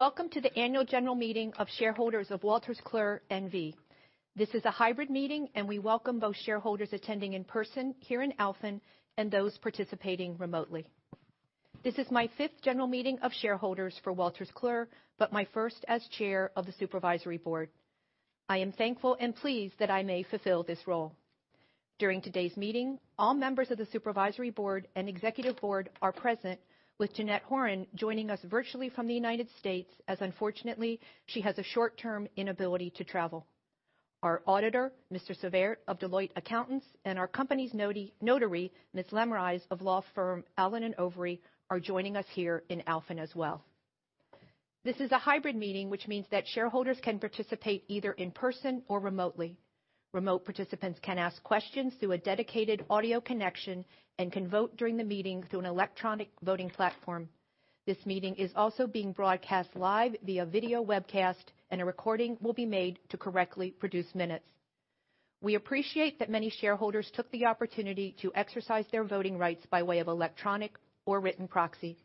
Welcome to the annual general meeting of shareholders of Wolters Kluwer N.V. This is a hybrid meeting, and we welcome both shareholders attending in person here in Alphen and those participating remotely. This is my fifth general meeting of shareholders for Wolters Kluwer, but my first as chair of the supervisory board. I am thankful and pleased that I may fulfill this role. During today's meeting, all members of the supervisory board and executive board are present, with Jeanette Horan joining us virtually from the United States as unfortunately, she has a short-term inability to travel. Our auditor, Mr. Savert of Deloitte Accountants, and our company's notary, Ms. Leemrijse of law firm Allen & Overy, are joining us here in Alphen as well. This is a hybrid meeting, which means that shareholders can participate either in person or remotely. Remote participants can ask questions through a dedicated audio connection and can vote during the meeting through an electronic voting platform. This meeting is also being broadcast live via video webcast, and a recording will be made to correctly produce minutes. We appreciate that many shareholders took the opportunity to exercise their voting rights by way of electronic or written proxy.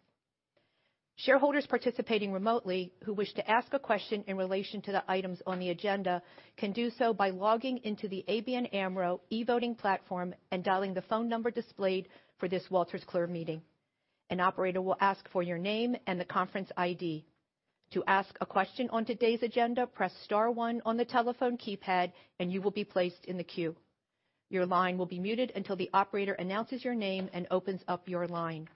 Shareholders participating remotely who wish to ask a question in relation to the items on the agenda can do so by logging into the ABN AMRO e-voting platform and dialing the phone number displayed for this Wolters Kluwer meeting. An operator will ask for your name and the conference ID. To ask a question on today's agenda, press star one on the telephone keypad, and you will be placed in the queue. Your line will be muted until the operator announces your name and opens up your line.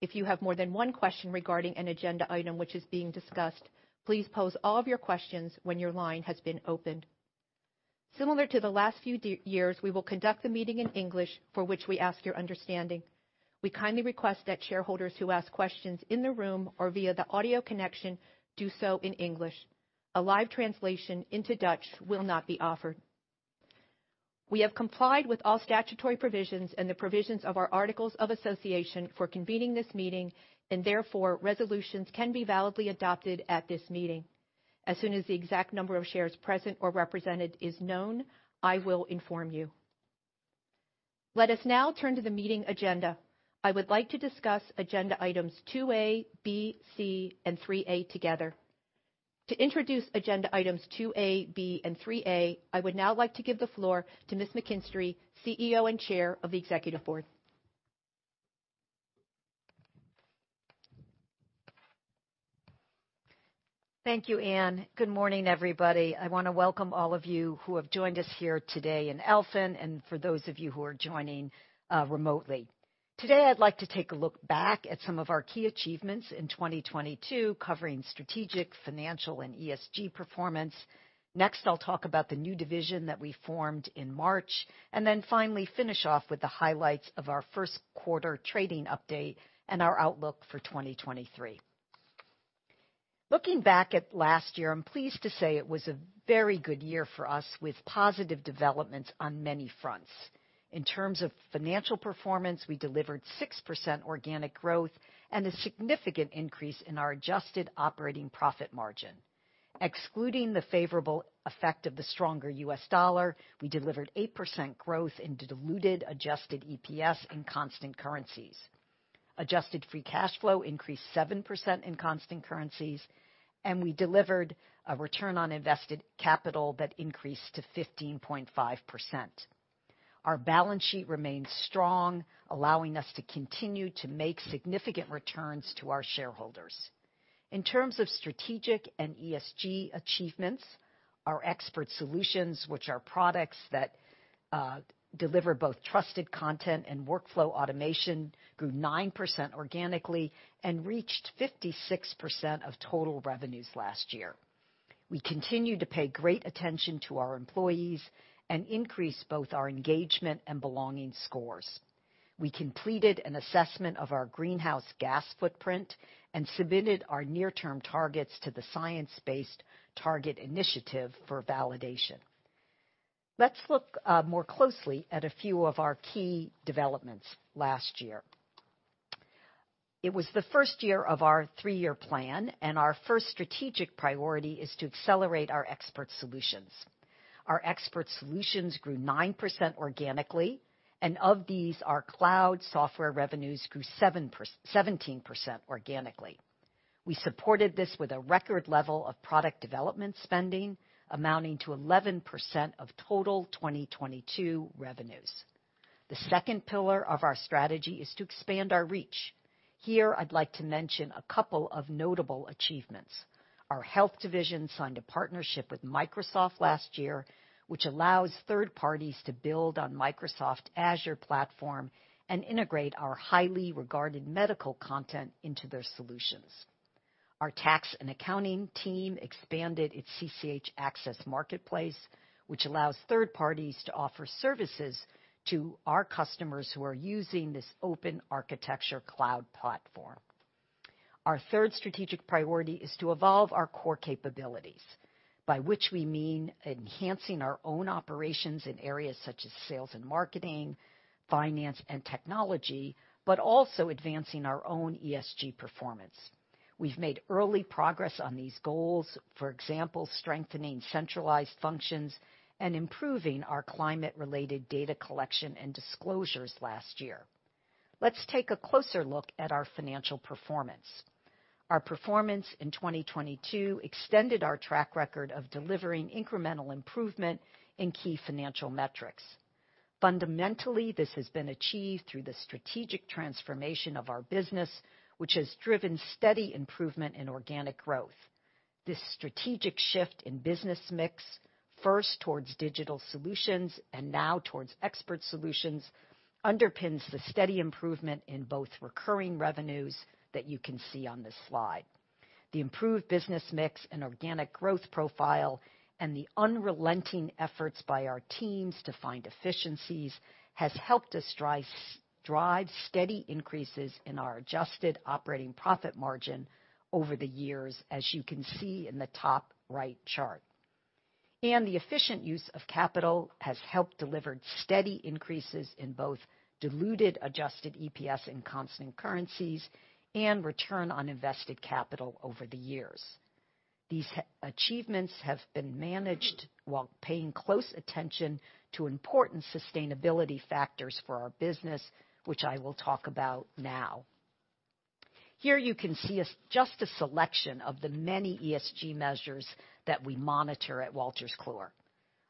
If you have more than one question regarding an agenda item which is being discussed, please pose all of your questions when your line has been opened. Similar to the last few years, we will conduct the meeting in English, for which we ask your understanding. We kindly request that shareholders who ask questions in the room or via the audio connection do so in English. A live translation into Dutch will not be offered. We have complied with all statutory provisions and the provisions of our articles of association for convening this meeting, and therefore, resolutions can be validly adopted at this meeting. As soon as the exact number of shares present or represented is known, I will inform you. Let us now turn to the meeting agenda. I would like to discuss agenda items 2A, B, C, and 3A together. To introduce agenda items 2A, B, and 3A, I would now like to give the floor to Ms. McKinstry, CEO and Chair of the Executive Board. Thank you, Ann. Good morning, everybody. I wanna welcome all of you who have joined us here today in Alphen, and for those of you who are joining remotely. Today, I'd like to take a look back at some of our key achievements in 2022, covering strategic, financial, and ESG performance. Next, I'll talk about the new division that we formed in March, and then finally finish off with the highlights of our first quarter trading update and our outlook for 2023. Looking back at last year, I'm pleased to say it was a very good year for us with positive developments on many fronts. In terms of financial performance, we delivered 6% organic growth and a significant increase in our adjusted operating profit margin. Excluding the favorable effect of the stronger US dollar, we delivered 8% growth in diluted adjusted EPS in constant currencies. Adjusted free cash flow increased 7% in constant currencies, we delivered a return on invested capital that increased to 15.5%. Our balance sheet remains strong, allowing us to continue to make significant returns to our shareholders. In terms of strategic and ESG achievements, our expert solutions, which are products that deliver both trusted content and workflow automation, grew 9% organically and reached 56% of total revenues last year. We continue to pay great attention to our employees and increase both our engagement and belonging scores. We completed an assessment of our greenhouse gas footprint and submitted our near-term targets to the Science Based Targets initiative for validation. Let's look more closely at a few of our key developments last year. It was the first year of our three-year plan, our first strategic priority is to accelerate our expert solutions. Our expert solutions grew 9% organically, of these, our cloud software revenues grew 17% organically. We supported this with a record level of product development spending, amounting to 11% of total 2022 revenues. The second pillar of our strategy is to expand our reach. Here, I'd like to mention a couple of notable achievements. Our health division signed a partnership with Microsoft last year, which allows third parties to build on Microsoft Azure platform and integrate our highly regarded medical content into their solutions. Our tax and accounting team expanded its CCH Axcess Marketplace, which allows third parties to offer services to our customers who are using this open architecture cloud platform. Our third strategic priority is to evolve our core capabilities, by which we mean enhancing our own operations in areas such as sales and marketing, finance and technology, but also advancing our own ESG performance. We've made early progress on these goals. For example, strengthening centralized functions and improving our climate-related data collection and disclosures last year. Let's take a closer look at our financial performance. Our performance in 2022 extended our track record of delivering incremental improvement in key financial metrics. Fundamentally, this has been achieved through the strategic transformation of our business, which has driven steady improvement in organic growth. This strategic shift in business mix, first towards digital solutions and now towards expert solutions, underpins the steady improvement in both recurring revenues that you can see on this slide. The improved business mix and organic growth profile and the unrelenting efforts by our teams to find efficiencies has helped us drive steady increases in our adjusted operating profit margin over the years, as you can see in the top right chart. The efficient use of capital has helped delivered steady increases in both diluted adjusted EPS in constant currencies and return on invested capital over the years. These achievements have been managed while paying close attention to important sustainability factors for our business, which I will talk about now. Here you can see just a selection of the many ESG measures that we monitor at Wolters Kluwer.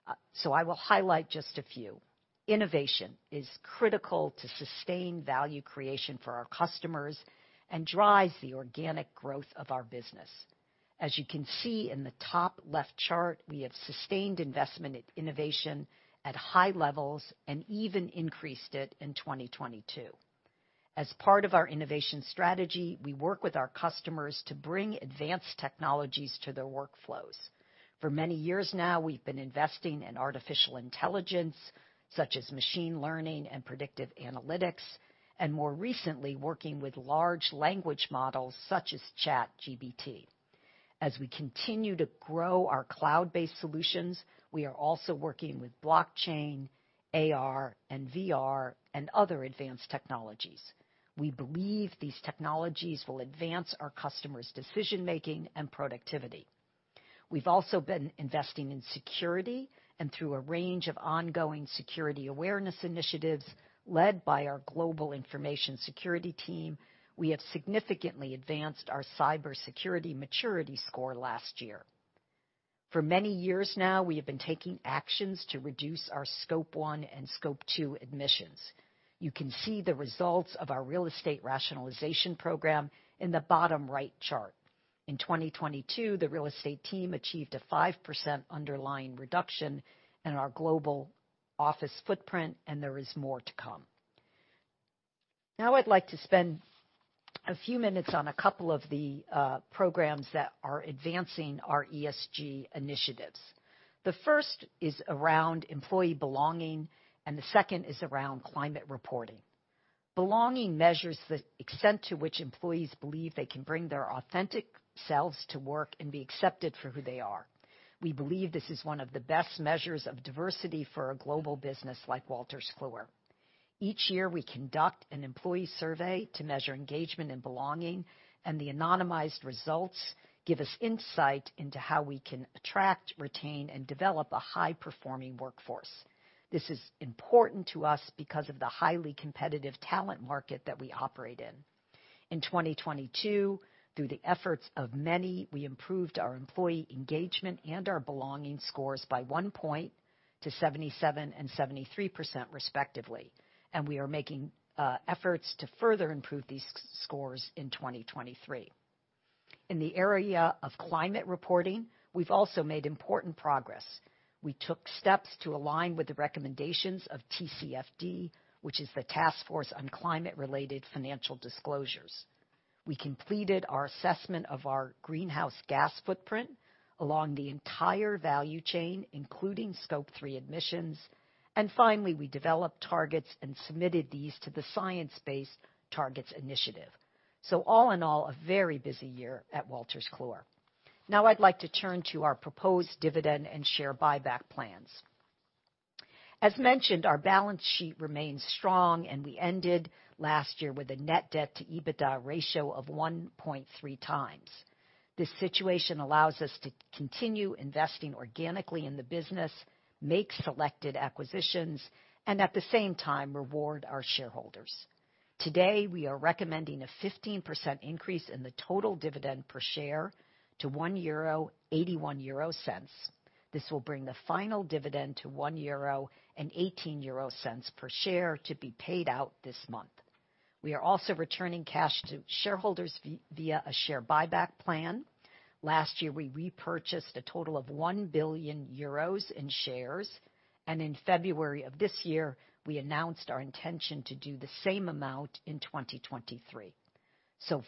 I will highlight just a few. Innovation is critical to sustained value creation for our customers and drives the organic growth of our business. As you can see in the top left chart, we have sustained investment in innovation at high levels and even increased it in 2022. As part of our innovation strategy, we work with our customers to bring advanced technologies to their workflows. For many years now, we've been investing in artificial intelligence, such as machine learning and predictive analytics, and more recently, working with large language models such as ChatGPT. As we continue to grow our cloud-based solutions, we are also working with blockchain, AR and VR, and other advanced technologies. We believe these technologies will advance our customers' decision-making and productivity. We've also been investing in security and through a range of ongoing security awareness initiatives led by our global information security team, we have significantly advanced our cybersecurity maturity score last year. For many years now, we have been taking actions to reduce our Scope 1 and Scope 2 emissions. You can see the results of our real estate rationalization program in the bottom right chart. In 2022, the real estate team achieved a 5% underlying reduction in our global office footprint. There is more to come. I'd like to spend a few minutes on a couple of the programs that are advancing our ESG initiatives. The first is around employee belonging. The second is around climate reporting. Belonging measures the extent to which employees believe they can bring their authentic selves to work and be accepted for who they are. We believe this is one of the best measures of diversity for a global business like Wolters Kluwer. Each year, we conduct an employee survey to measure engagement and belonging, and the anonymized results give us insight into how we can attract, retain, and develop a high-performing workforce. This is important to us because of the highly competitive talent market that we operate in. In 2022, through the efforts of many, we improved our employee engagement and our belonging scores by 1 point to 77 and 73% respectively, we are making efforts to further improve these scores in 2023. In the area of climate reporting, we've also made important progress. We took steps to align with the recommendations of TCFD, which is the Task Force on Climate-related Financial Disclosures. We completed our assessment of our greenhouse gas footprint along the entire value chain, including Scope 3 emissions. Finally, we developed targets and submitted these to the Science Based Targets initiative. All in all, a very busy year at Wolters Kluwer. Now I'd like to turn to our proposed dividend and share buyback plans. As mentioned, our balance sheet remains strong, and we ended last year with a net debt to EBITDA ratio of 1.3 times. This situation allows us to continue investing organically in the business, make selected acquisitions, and at the same time, reward our shareholders. Today, we are recommending a 15% increase in the total dividend per share to 1.81 euro. This will bring the final dividend to 1.18 euro per share to be paid out this month. We are also returning cash to shareholders via a share buyback plan. Last year, we repurchased a total of 1 billion euros in shares. In February of this year, we announced our intention to do the same amount in 2023.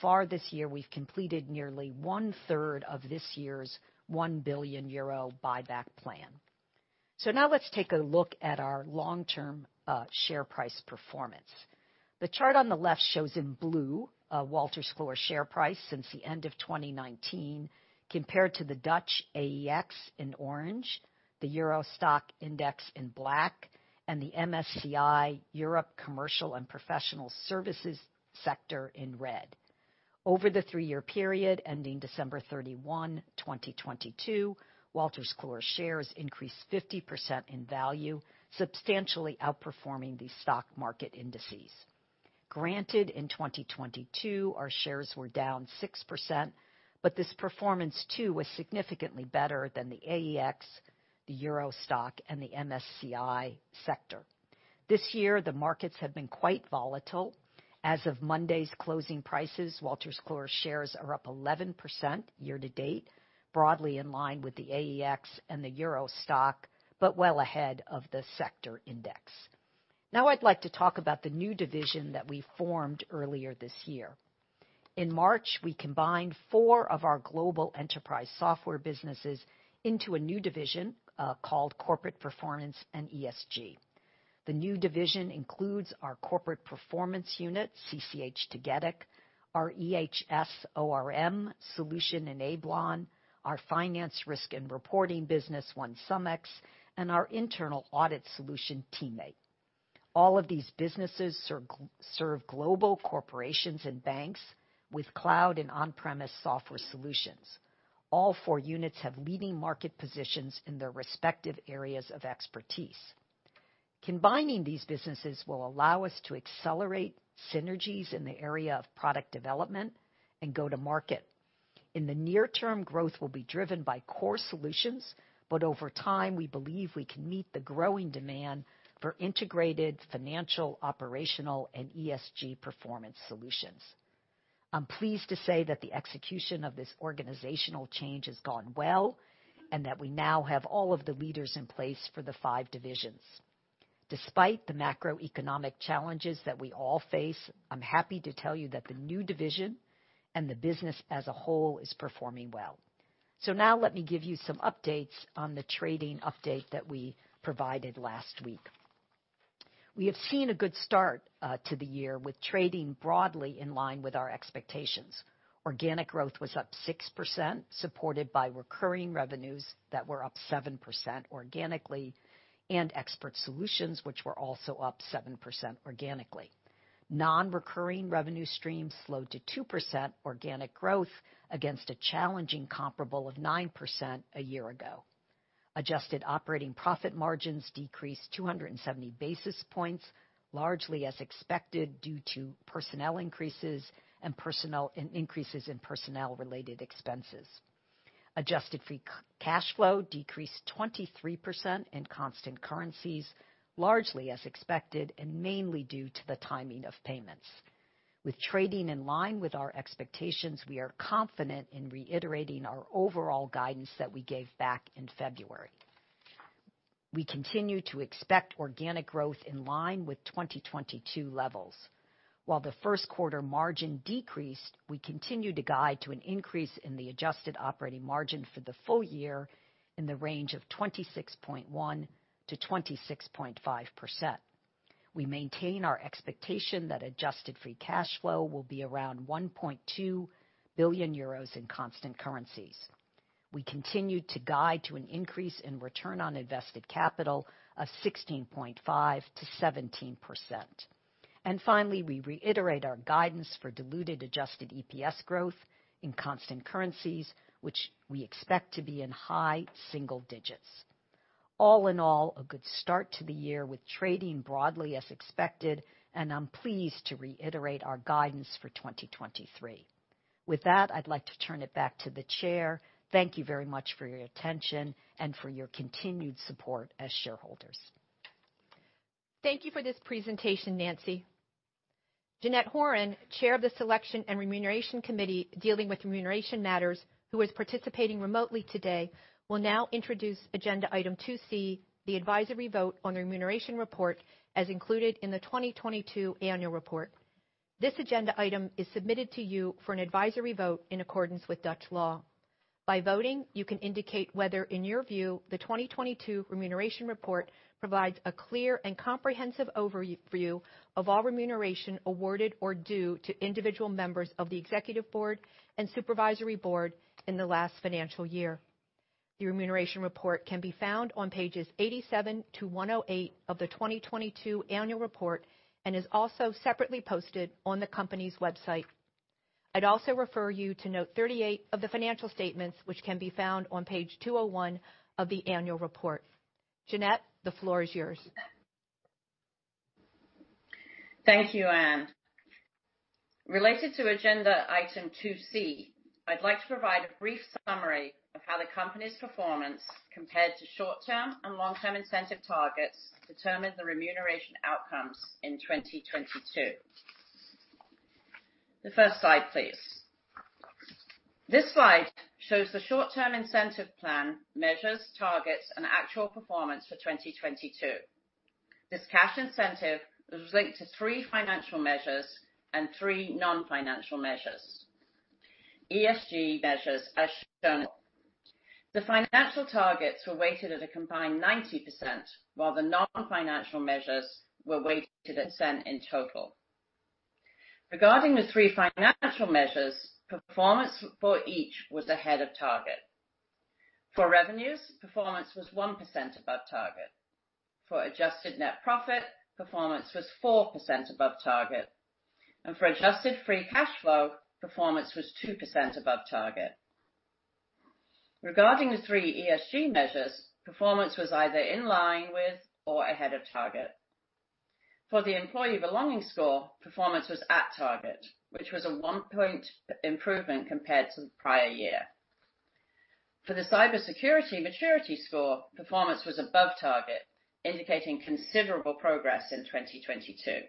Far this year, we've completed nearly one-third of this year's 1 billion euro buyback plan. Now let's take a look at our long-term share price performance. The chart on the left shows in blue Wolters Kluwer share price since the end of 2019 compared to the Dutch AEX in orange, the EURO STOXX Index in black, and the MSCI Europe Commercial & Professional Services Index in red. Over the three-year period ending December 31, 2022, Wolters Kluwer shares increased 50% in value, substantially outperforming the stock market indices. Granted, in 2022, our shares were down 6%. This performance too was significantly better than the AEX, the EURO STOXX, and the MSCI sector. This year, the markets have been quite volatile. As of Monday's closing prices, Wolters Kluwer shares are up 11% year-to-date, broadly in line with the AEX and the EURO STOXX, but well ahead of the sector index. I'd like to talk about the new division that we formed earlier this year. In March, we combined 4 of our global enterprise software businesses into a new division, called Corporate Performance & ESG. The new division includes our corporate performance unit, CCH Tagetik, our EHS ORM solution, Enablon, our finance, risk, and reporting business, OneSumX, and our internal audit solution, TeamMate. All of these businesses serve global corporations and banks with cloud and on-premise software solutions. All 4 units have leading market positions in their respective areas of expertise. Combining these businesses will allow us to accelerate synergies in the area of product development and go to market. In the near term, growth will be driven by core solutions, but over time, we believe we can meet the growing demand for integrated financial, operational, and ESG performance solutions. I'm pleased to say that the execution of this organizational change has gone well, and that we now have all of the leaders in place for the five divisions. Despite the macroeconomic challenges that we all face, I'm happy to tell you that the new division and the business as a whole is performing well. Now let me give you some updates on the trading update that we provided last week. We have seen a good start to the year with trading broadly in line with our expectations. Organic growth was up 6%, supported by recurring revenues that were up 7% organically, and expert solutions, which were also up 7% organically. Non-recurring revenue streams slowed to 2% organic growth against a challenging comparable of 9% a year ago. Adjusted operating profit margins decreased 270 basis points, largely as expected, due to personnel increases and increases in personnel-related expenses. Adjusted free cash flow decreased 23% in constant currencies, largely as expected, and mainly due to the timing of payments. With trading in line with our expectations, we are confident in reiterating our overall guidance that we gave back in February. We continue to expect organic growth in line with 2022 levels. While the first quarter margin decreased, we continue to guide to an increase in the adjusted operating margin for the full year in the range of 26.1%-26.5%. We maintain our expectation that adjusted free cash flow will be around 1.2 billion euros in constant currencies. We continue to guide to an increase in return on invested capital of 16.5%-17%. Finally, we reiterate our guidance for diluted adjusted EPS growth in constant currencies, which we expect to be in high single digits. All in all, a good start to the year with trading broadly as expected, and I'm pleased to reiterate our guidance for 2023. With that, I'd like to turn it back to the Chair. Thank you very much for your attention and for your continued support as shareholders. Thank you for this presentation, Nancy. Jeanette Horan, Chair of the Selection and Remuneration Committee dealing with remuneration matters, who is participating remotely today, will now introduce agenda item 2 C, the advisory vote on the remuneration report, as included in the 2022 annual report. This agenda item is submitted to you for an advisory vote in accordance with Dutch law. By voting, you can indicate whether, in your view, the 2022 remuneration report provides a clear and comprehensive overview of all remuneration awarded or due to individual members of the executive board and supervisory board in the last financial year. The remuneration report can be found on pages 87 to 108 of the 2022 annual report, and is also separately posted on the company's website. I'd also refer you to note 38 of the financial statements, which can be found on page 201 of the annual report. Jeanette, the floor is yours. Thank you, Anne. Related to agenda item two C, I'd like to provide a brief summary of how the company's performance compared to short-term and long-term incentive targets determined the remuneration outcomes in 2022. The first slide, please. This slide shows the short-term incentive plan, measures, targets, and actual performance for 2022. This cash incentive was linked to three financial measures and three non-financial measures. ESG measures, as shown. The financial targets were weighted at a combined 90%, while the non-financial measures were weighted at percent in total. Regarding the three financial measures, performance for each was ahead of target. For revenues, performance was 1% above target. For adjusted net profit, performance was 4% above target. For adjusted free cash flow, performance was 2% above target. Regarding the three ESG measures, performance was either in line with or ahead of target. For the employee belonging score, performance was at target, which was a 1-point improvement compared to the prior year. For the cybersecurity maturity score, performance was above target, indicating considerable progress in 2022.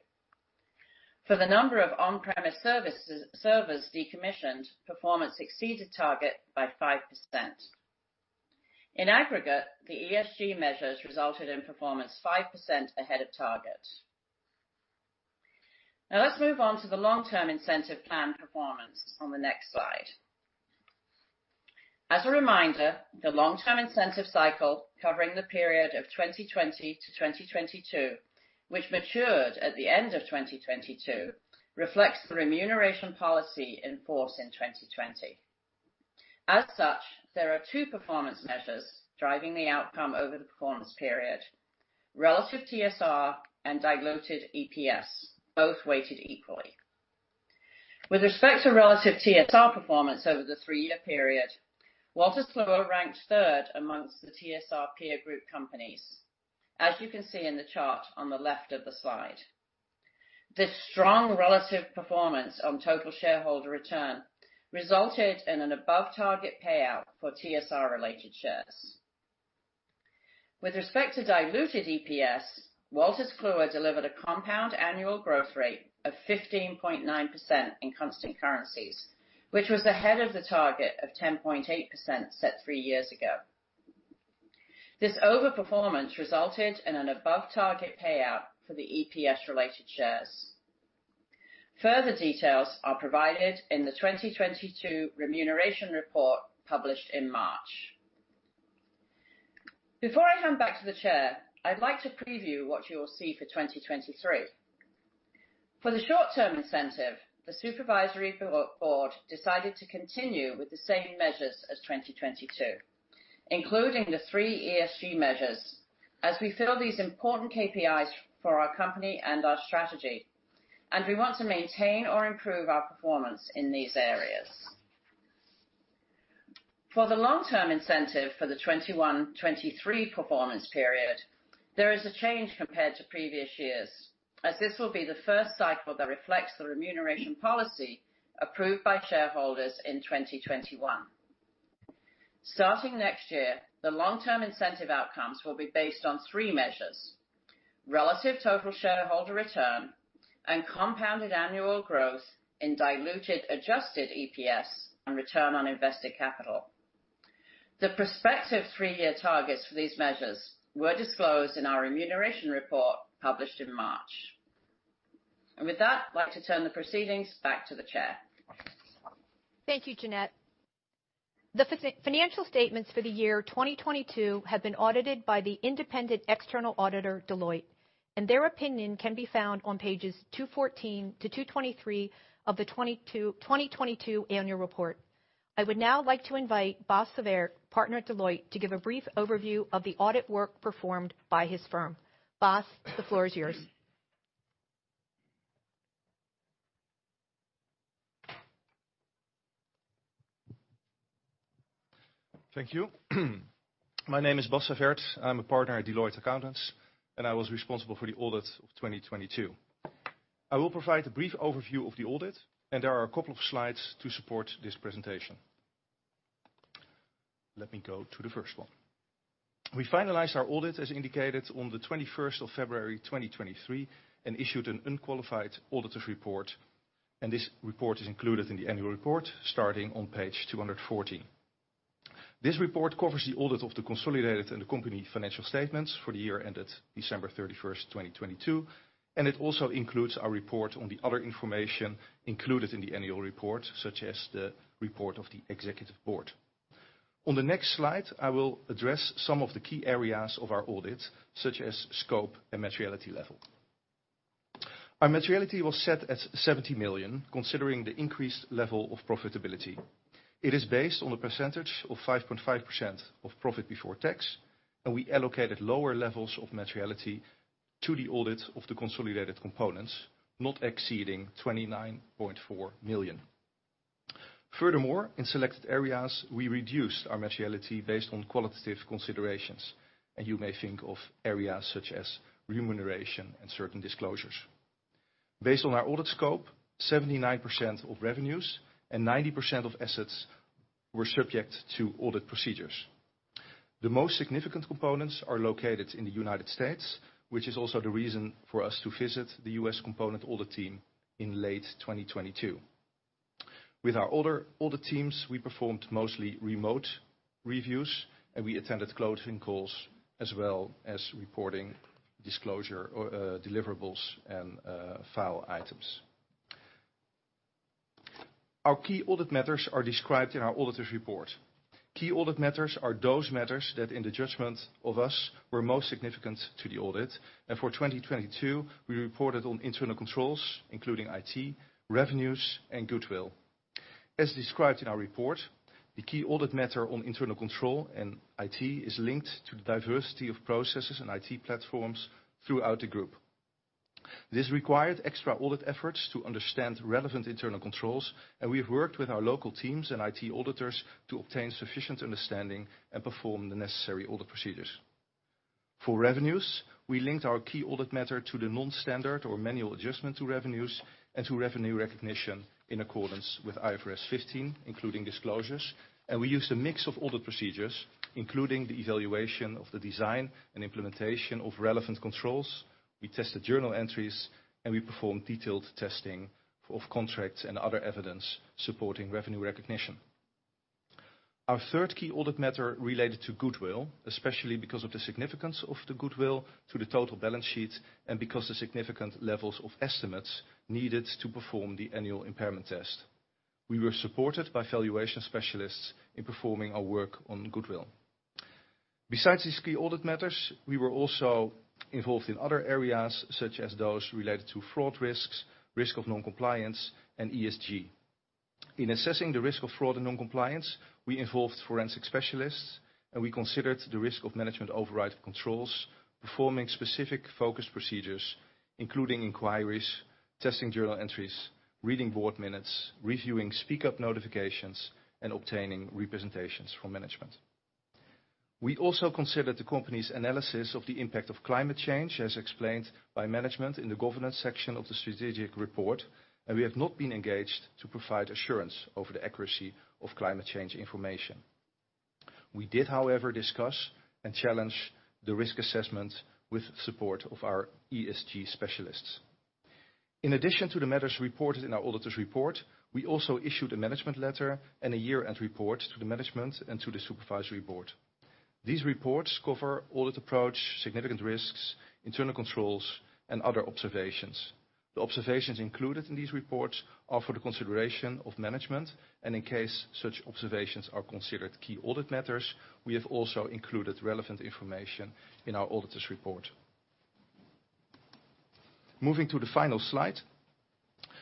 For the number of on-premise services, servers decommissioned, performance exceeded target by 5%. In aggregate, the ESG measures resulted in performance 5% ahead of target. Let's move on to the long-term incentive plan performance on the next slide. As a reminder, the long-term incentive cycle covering the period of 2020 to 2022, which matured at the end of 2022, reflects the remuneration policy in force in 2020. As such, there are two performance measures driving the outcome over the performance period: relative TSR and diluted EPS, both weighted equally. With respect to relative TSR performance over the three-year period, Wolters Kluwer ranked third amongst the TSR peer group companies, as you can see in the chart on the left of the slide. This strong relative performance on total shareholder return resulted in an above target payout for TSR related shares. With respect to diluted EPS, Wolters Kluwer delivered a compound annual growth rate of 15.9% in constant currencies, which was ahead of the target of 10.8% set three years ago. This overperformance resulted in an above target payout for the EPS related shares. Further details are provided in the 2022 remuneration report published in March. Before I hand back to the chair, I'd like to preview what you will see for 2023. For the short-term incentive, the supervisory board decided to continue with the same measures as 2022, including the three ESG measures as we feel these important KPIs for our company and our strategy, and we want to maintain or improve our performance in these areas. For the long-term incentive for the 2021-2023 performance period, there is a change compared to previous years as this will be the first cycle that reflects the remuneration policy approved by shareholders in 2021. Starting next year, the long-term incentive outcomes will be based on three measures: relative total shareholder return and compounded annual growth in diluted adjusted EPS and return on invested capital. The prospective three-year targets for these measures were disclosed in our remuneration report published in March. With that, I'd like to turn the proceedings back to the chair. Thank you, Jeanette. The financial statements for the year 2022 have been audited by the independent external auditor, Deloitte, and their opinion can be found on pages 214 to 223 of the 2022 annual report. I would now like to invite Bas Savert, partner at Deloitte, to give a brief overview of the audit work performed by his firm. Bas, the floor is yours. Thank you. My name is Bas Savert. I'm a partner at Deloitte Accountants. I was responsible for the audit of 2022. I will provide a brief overview of the audit. There are a couple of slides to support this presentation. Let me go to the first one. We finalized our audit as indicated on the 21st of February, 2023, and issued an unqualified auditor's report. This report is included in the annual report starting on page 214. This report covers the audit of the consolidated and the company financial statements for the year ended December 31st, 2022. It also includes our report on the other information included in the annual report, such as the report of the Executive Board. On the next slide, I will address some of the key areas of our audit, such as scope and materiality level. Our materiality was set at 70 million, considering the increased level of profitability. It is based on a percentage of 5.5% of profit before tax, and we allocated lower levels of materiality to the audit of the consolidated components, not exceeding 29.4 million. Furthermore, in selected areas, we reduced our materiality based on qualitative considerations, and you may think of areas such as remuneration and certain disclosures. Based on our audit scope, 79% of revenues and 90% of assets were subject to audit procedures. The most significant components are located in the United States, which is also the reason for us to visit the US component audit team in late 2022. With our other audit teams, we performed mostly remote reviews, and we attended closing calls as well as reporting disclosure, deliverables and file items. Our key audit matters are described in our auditor's report. Key audit matters are those matters that, in the judgment of us, were most significant to the audit. For 2022, we reported on internal controls, including IT, revenues, and goodwill. As described in our report, the key audit matter on internal control and IT is linked to the diversity of processes and IT platforms throughout the group. This required extra audit efforts to understand relevant internal controls. We have worked with our local teams and IT auditors to obtain sufficient understanding and perform the necessary audit procedures. For revenues, we linked our key audit matter to the non-standard or manual adjustment to revenues and to revenue recognition in accordance with IFRS 15, including disclosures. We used a mix of audit procedures, including the evaluation of the design and implementation of relevant controls. We tested journal entries, and we performed detailed testing of contracts and other evidence supporting revenue recognition. Our third key audit matter related to goodwill, especially because of the significance of the goodwill to the total balance sheet and because the significant levels of estimates needed to perform the annual impairment test. We were supported by valuation specialists in performing our work on goodwill. Besides these key audit matters, we were also involved in other areas, such as those related to fraud risks, risk of non-compliance, and ESG. In assessing the risk of fraud and non-compliance, we involved forensic specialists, and we considered the risk of management override of controls, performing specific focus procedures, including inquiries, testing journal entries, reading board minutes, reviewing speak-up notifications, and obtaining representations from management. We also considered the company's analysis of the impact of climate change, as explained by management in the governance section of the strategic report. We have not been engaged to provide assurance over the accuracy of climate change information. We did, however, discuss and challenge the risk assessment with support of our ESG specialists. In addition to the matters reported in our auditor's report, we also issued a management letter and a year-end report to the management and to the supervisory board. These reports cover audit approach, significant risks, internal controls, and other observations. The observations included in these reports are for the consideration of management. In case such observations are considered key audit matters, we have also included relevant information in our auditor's report. Moving to the final slide,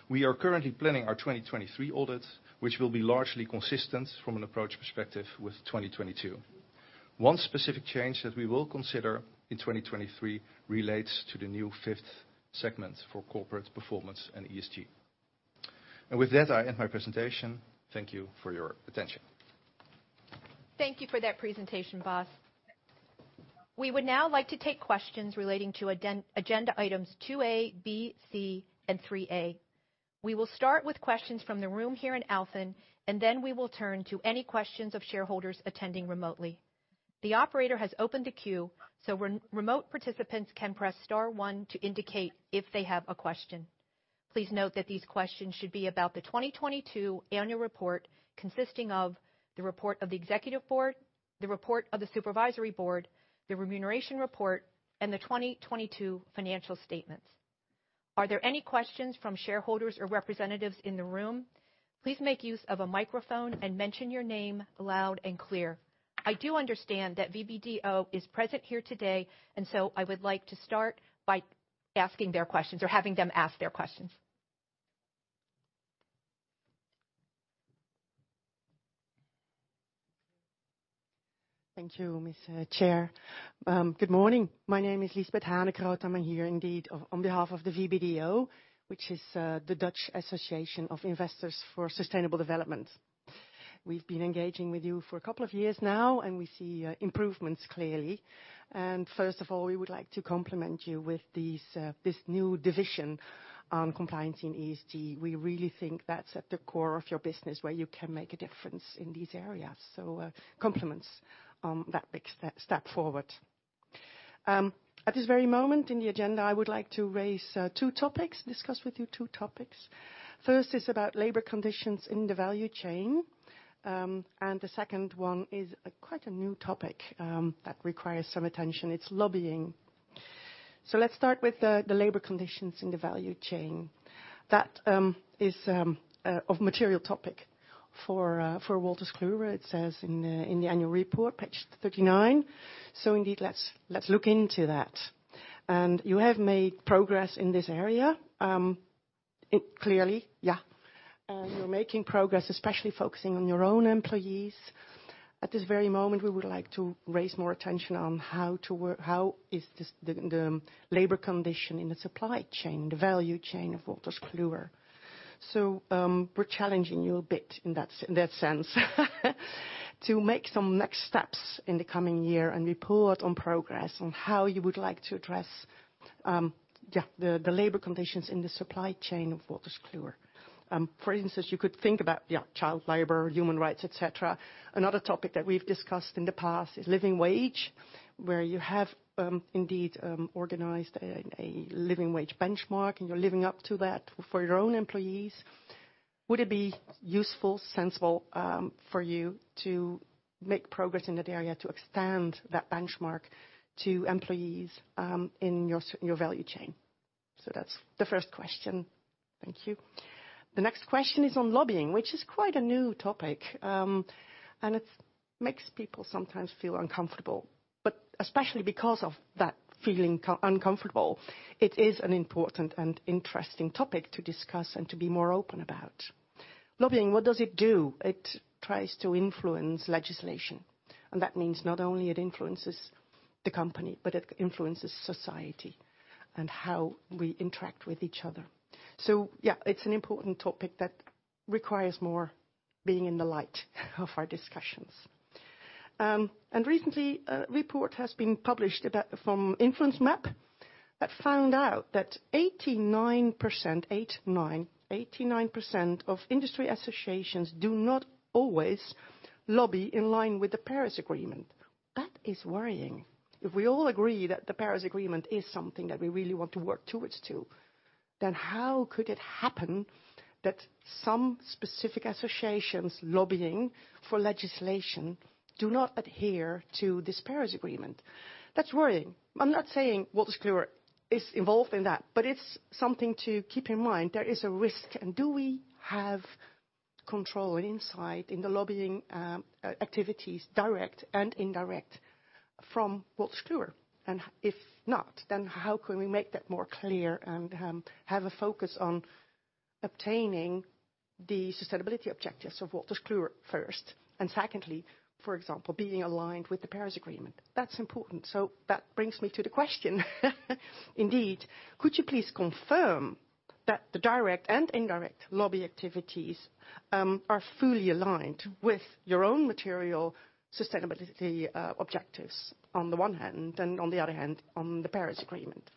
we are currently planning our 2023 audit, which will be largely consistent from an approach perspective with 2022. One specific change that we will consider in 2023 relates to the new fifth segment for Corporate Performance & ESG. With that, I end my presentation. Thank you for your attention. Thank you for that presentation, Bas. We would now like to take questions relating to agenda items 2A, B, C, and 3A. We will start with questions from the room here in Alphen. Then we will turn to any questions of shareholders attending remotely. The operator has opened the queue, remote participants can press star one to indicate if they have a question. Please note that these questions should be about the 2022 annual report, consisting of the report of the Executive Board, the report of the Supervisory Board, the remuneration report, and the 2022 financial statements. Are there any questions from shareholders or representatives in the room? Please make use of a microphone and mention your name loud and clear. I do understand that VBDO is present here today, and so I would like to start by asking their questions or having them ask their questions. Thank you, Ms. Chair. Good morning. My name is Liesbet Hanekroot. I'm here indeed of, on behalf of the VBDO, which is the Dutch Association of Investors for Sustainable Development. We've been engaging with you for a couple of years now, and we see improvements clearly. First of all, we would like to compliment you with these, this new division on compliance in ESG. We really think that's at the core of your business where you can make a difference in these areas. Compliments on that big step forward. At this very moment in the agenda, I would like to raise two topics, discuss with you two topics. First is about labor conditions in the value chain, and the second one is quite a new topic that requires some attention. It's lobbying. Let's start with the labor conditions in the value chain. That is of material topic for Wolters Kluwer. It says in the annual report, page 39. Indeed, let's look into that. You have made progress in this area, it clearly, yeah. You're making progress, especially focusing on your own employees. At this very moment, we would like to raise more attention on how is this, the labor condition in the supply chain, the value chain of Wolters Kluwer. We're challenging you a bit in that sense to make some next steps in the coming year and report on progress on how you would like to address, yeah, the labor conditions in the supply chain of Wolters Kluwer. For instance, you could think about, yeah, child labor, human rights, et cetera. Another topic that we've discussed in the past is living wage, where you have indeed organized a living wage benchmark, and you're living up to that for your own employees. Would it be useful, sensible, for you to make progress in that area to extend that benchmark to employees in your value chain? That's the first question. Thank you. The next question is on lobbying, which is quite a new topic. Makes people sometimes feel uncomfortable. Especially because of that feeling uncomfortable, it is an important and interesting topic to discuss and to be more open about. Lobbying, what does it do? It tries to influence legislation, that means not only it influences the company, but it influences society and how we interact with each other. Yeah, it's an important topic that requires more being in the light of our discussions. Recently a report has been published from InfluenceMap that found out that 89%, eight nine, 89% of industry associations do not always lobby in line with the Paris Agreement. That is worrying. If we all agree that the Paris Agreement is something that we really want to work towards to, how could it happen that some specific associations lobbying for legislation do not adhere to this Paris Agreement? That's worrying. I'm not saying Wolters Kluwer is involved in that, it's something to keep in mind. There is a risk. Do we have control and insight in the lobbying activities, direct and indirect from Wolters Kluwer? If not, how can we make that more clear and have a focus on obtaining the sustainability objectives of Wolters Kluwer first and secondly, for example, being aligned with the Paris Agreement? That's important. That brings me to the question indeed. Could you please confirm that the direct and indirect lobby activities are fully aligned with your own material sustainability objectives on the one hand and on the other hand, on the Paris Agreement?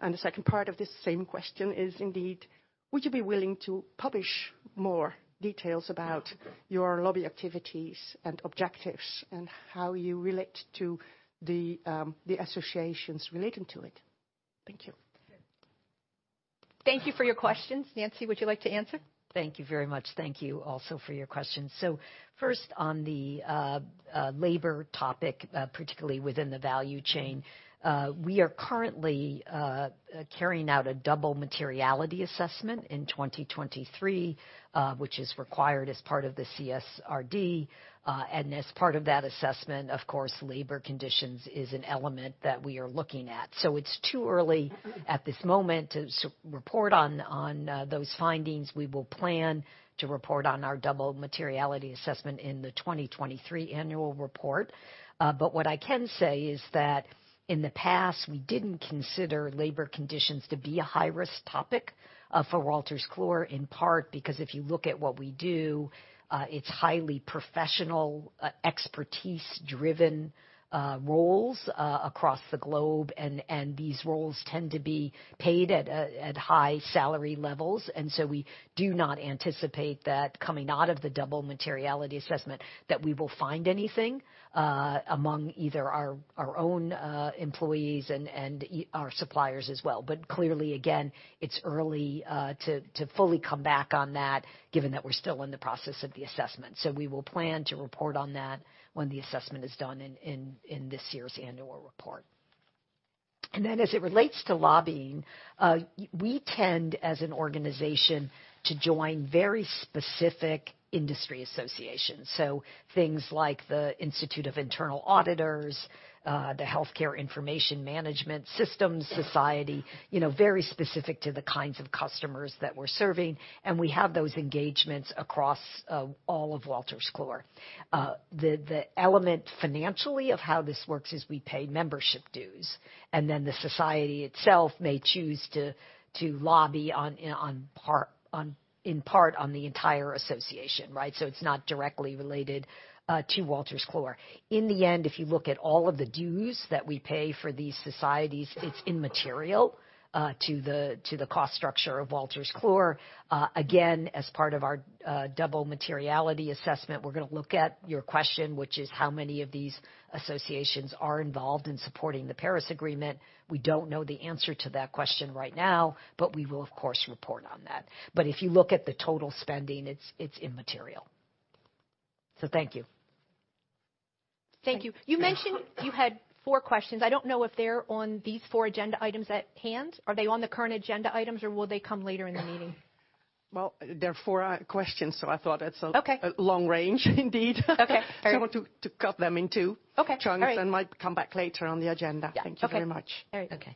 The second part of this same question is indeed, would you be willing to publish more details about your lobby activities and objectives and how you relate to the associations relating to it? Thank you. Thank you for your questions. Nancy, would you like to answer? Thank you very much. Thank you also for your question. First on the labor topic, particularly within the value chain, we are currently carrying out a double materiality assessment in 2023, which is required as part of the CSRD. As part of that assessment of course, labor conditions is an element that we are looking at. It's too early at this moment to report on those findings. We will plan to report on our double materiality assessment in the 2023 annual report. What I can say is that in the past, we didn't consider labor conditions to be a high-risk topic for Wolters Kluwer, in part because if you look at what we do, it's highly professional, expertise-driven, roles across the globe. These roles tend to be paid at high salary levels. We do not anticipate that coming out of the double materiality assessment, that we will find anything among either our own employees and our suppliers as well. Clearly, again, it's early to fully come back on that given that we're still in the process of the assessment. We will plan to report on that when the assessment is done in this year's annual report. As it relates to lobbying, we tend as an organization to join very specific industry associations. Things like the Institute of Internal Auditors, the Healthcare Information Management Systems Society, you know, very specific to the kinds of customers that we're serving, and we have those engagements across all of Wolters Kluwer. The element financially of how this works is we pay membership dues. Then the society itself may choose to lobby on part, on, in part on the entire association, right? It's not directly related to Wolters Kluwer. In the end, if you look at all of the dues that we pay for these societies, it's immaterial to the cost structure of Wolters Kluwer. Again, as part of our double materiality assessment, we're gonna look at your question, which is how many of these associations are involved in supporting the Paris Agreement. We don't know the answer to that question right now, but we will of course report on that. If you look at the total spending, it's immaterial. Thank you. Thank you. You mentioned you had four questions. I don't know if they're on these four agenda items at hand. Are they on the current agenda items or will they come later in the meeting? Well, they're four questions, so I thought it's. Okay. long range indeed. Okay. All right. to cut them in two. Okay. All right Chunks and might come back later on the agenda. Yeah. Okay. Thank you very much. Very well. Okay.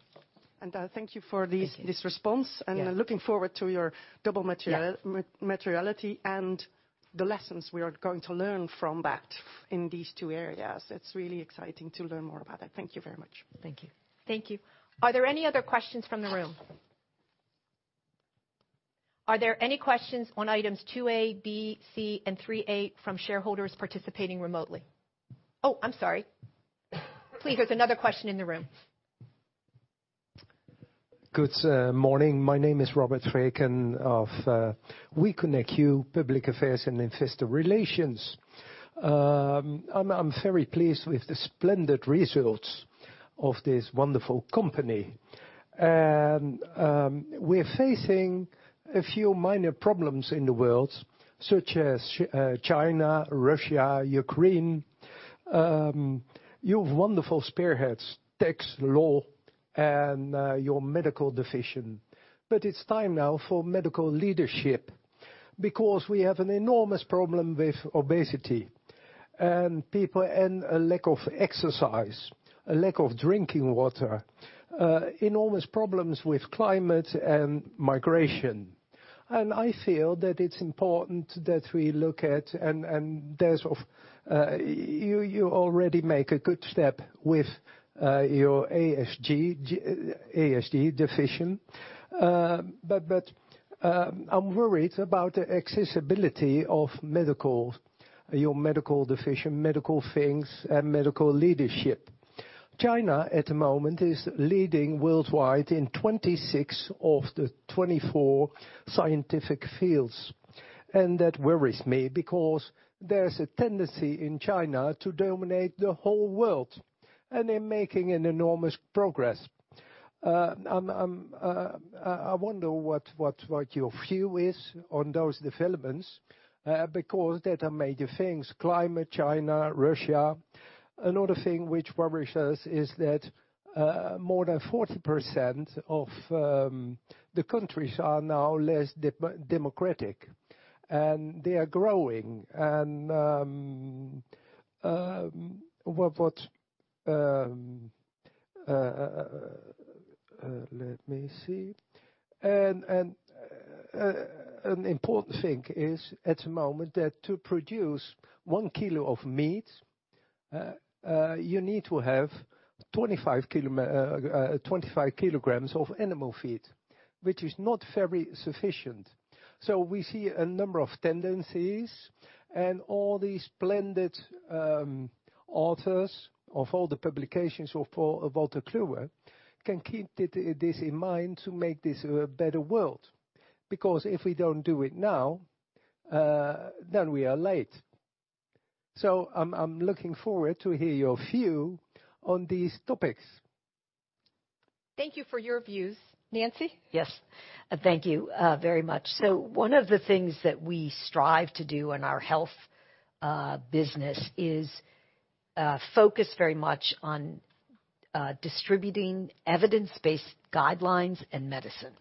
Thank you for this response. Thank you. Yeah. looking forward to your double material-. Yeah. materiality and the lessons we are going to learn from that in these two areas. It's really exciting to learn more about that. Thank you very much. Thank you. Thank you. Are there any other questions from the room? Are there any questions on items two A, B, C, and three A from shareholders participating remotely? I'm sorry. Please, there's another question in the room. Good morning. My name is Robert Vreeken of We Connect You Public Affairs and Investor Relations. I'm very pleased with the splendid results of this wonderful company. We're facing a few minor problems in the world, such as China, Russia, Ukraine. You've wonderful spearheads, tax law, and your medical division. It's time now for medical leadership, because we have an enormous problem with obesity and people, and a lack of exercise, a lack of drinking water, enormous problems with climate and migration. I feel that it's important that we look at, and there's you already make a good step with your ASG, ASD division. I'm worried about the accessibility of medical, your medical division, medical things, and medical leadership. China, at the moment, is leading worldwide in 26 of the 24 scientific fields. That worries me because there's a tendency in China to dominate the whole world. They're making an enormous progress. I wonder what your view is on those developments, because there are major things, climate, China, Russia. Another thing which worries us is that more than 40% of the countries are now less democratic. They are growing. What, let me see. An important thing is, at the moment, that to produce 1 kilo of meat, you need to have 25 kilo, 25 kilograms of animal feed, which is not very sufficient. We see a number of tendencies and all these splendid authors of all the publications of, for, of Wolters Kluwer can keep this in mind to make this a better world. If we don't do it now, then we are late. I'm looking forward to hear your view on these topics. Thank you for your views. Nancy? Yes. Thank you very much. One of the things that we strive to do in our health business is focus very much on distributing evidence-based guidelines and medicine.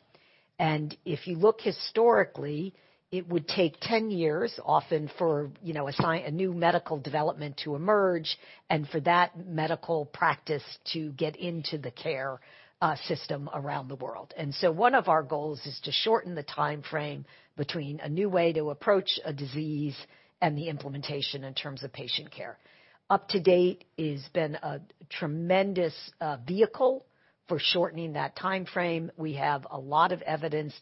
If you look historically, it would take 10 years often for, you know, a new medical development to emerge, and for that medical practice to get into the care system around the world. One of our goals is to shorten the timeframe between a new way to approach a disease and the implementation in terms of patient care. UpToDate has been a tremendous vehicle for shortening that timeframe. We have a lot of evidence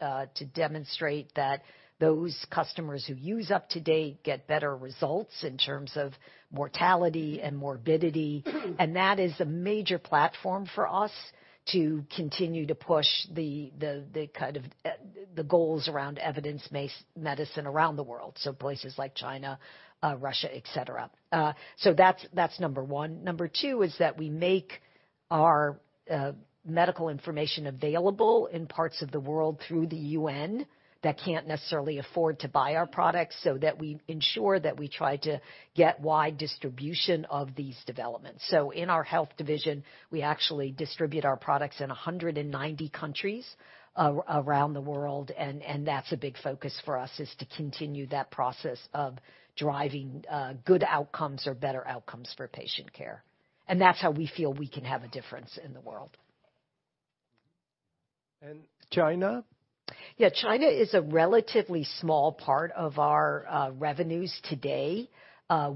to demonstrate that those customers who use UpToDate get better results in terms of mortality and morbidity. That is a major platform for us to continue to push the kind of the goals around evidence-based medicine around the world, so places like China, Russia, et cetera. So that's number one. Number two is that we make our medical information available in parts of the world through the UN that can't necessarily afford to buy our products, so that we ensure that we try to get wide distribution of these developments. In our health division, we actually distribute our products in 190 countries around the world and that's a big focus for us, is to continue that process of driving good outcomes or better outcomes for patient care. That's how we feel we can have a difference in the world. China? Yeah. China is a relatively small part of our revenues today.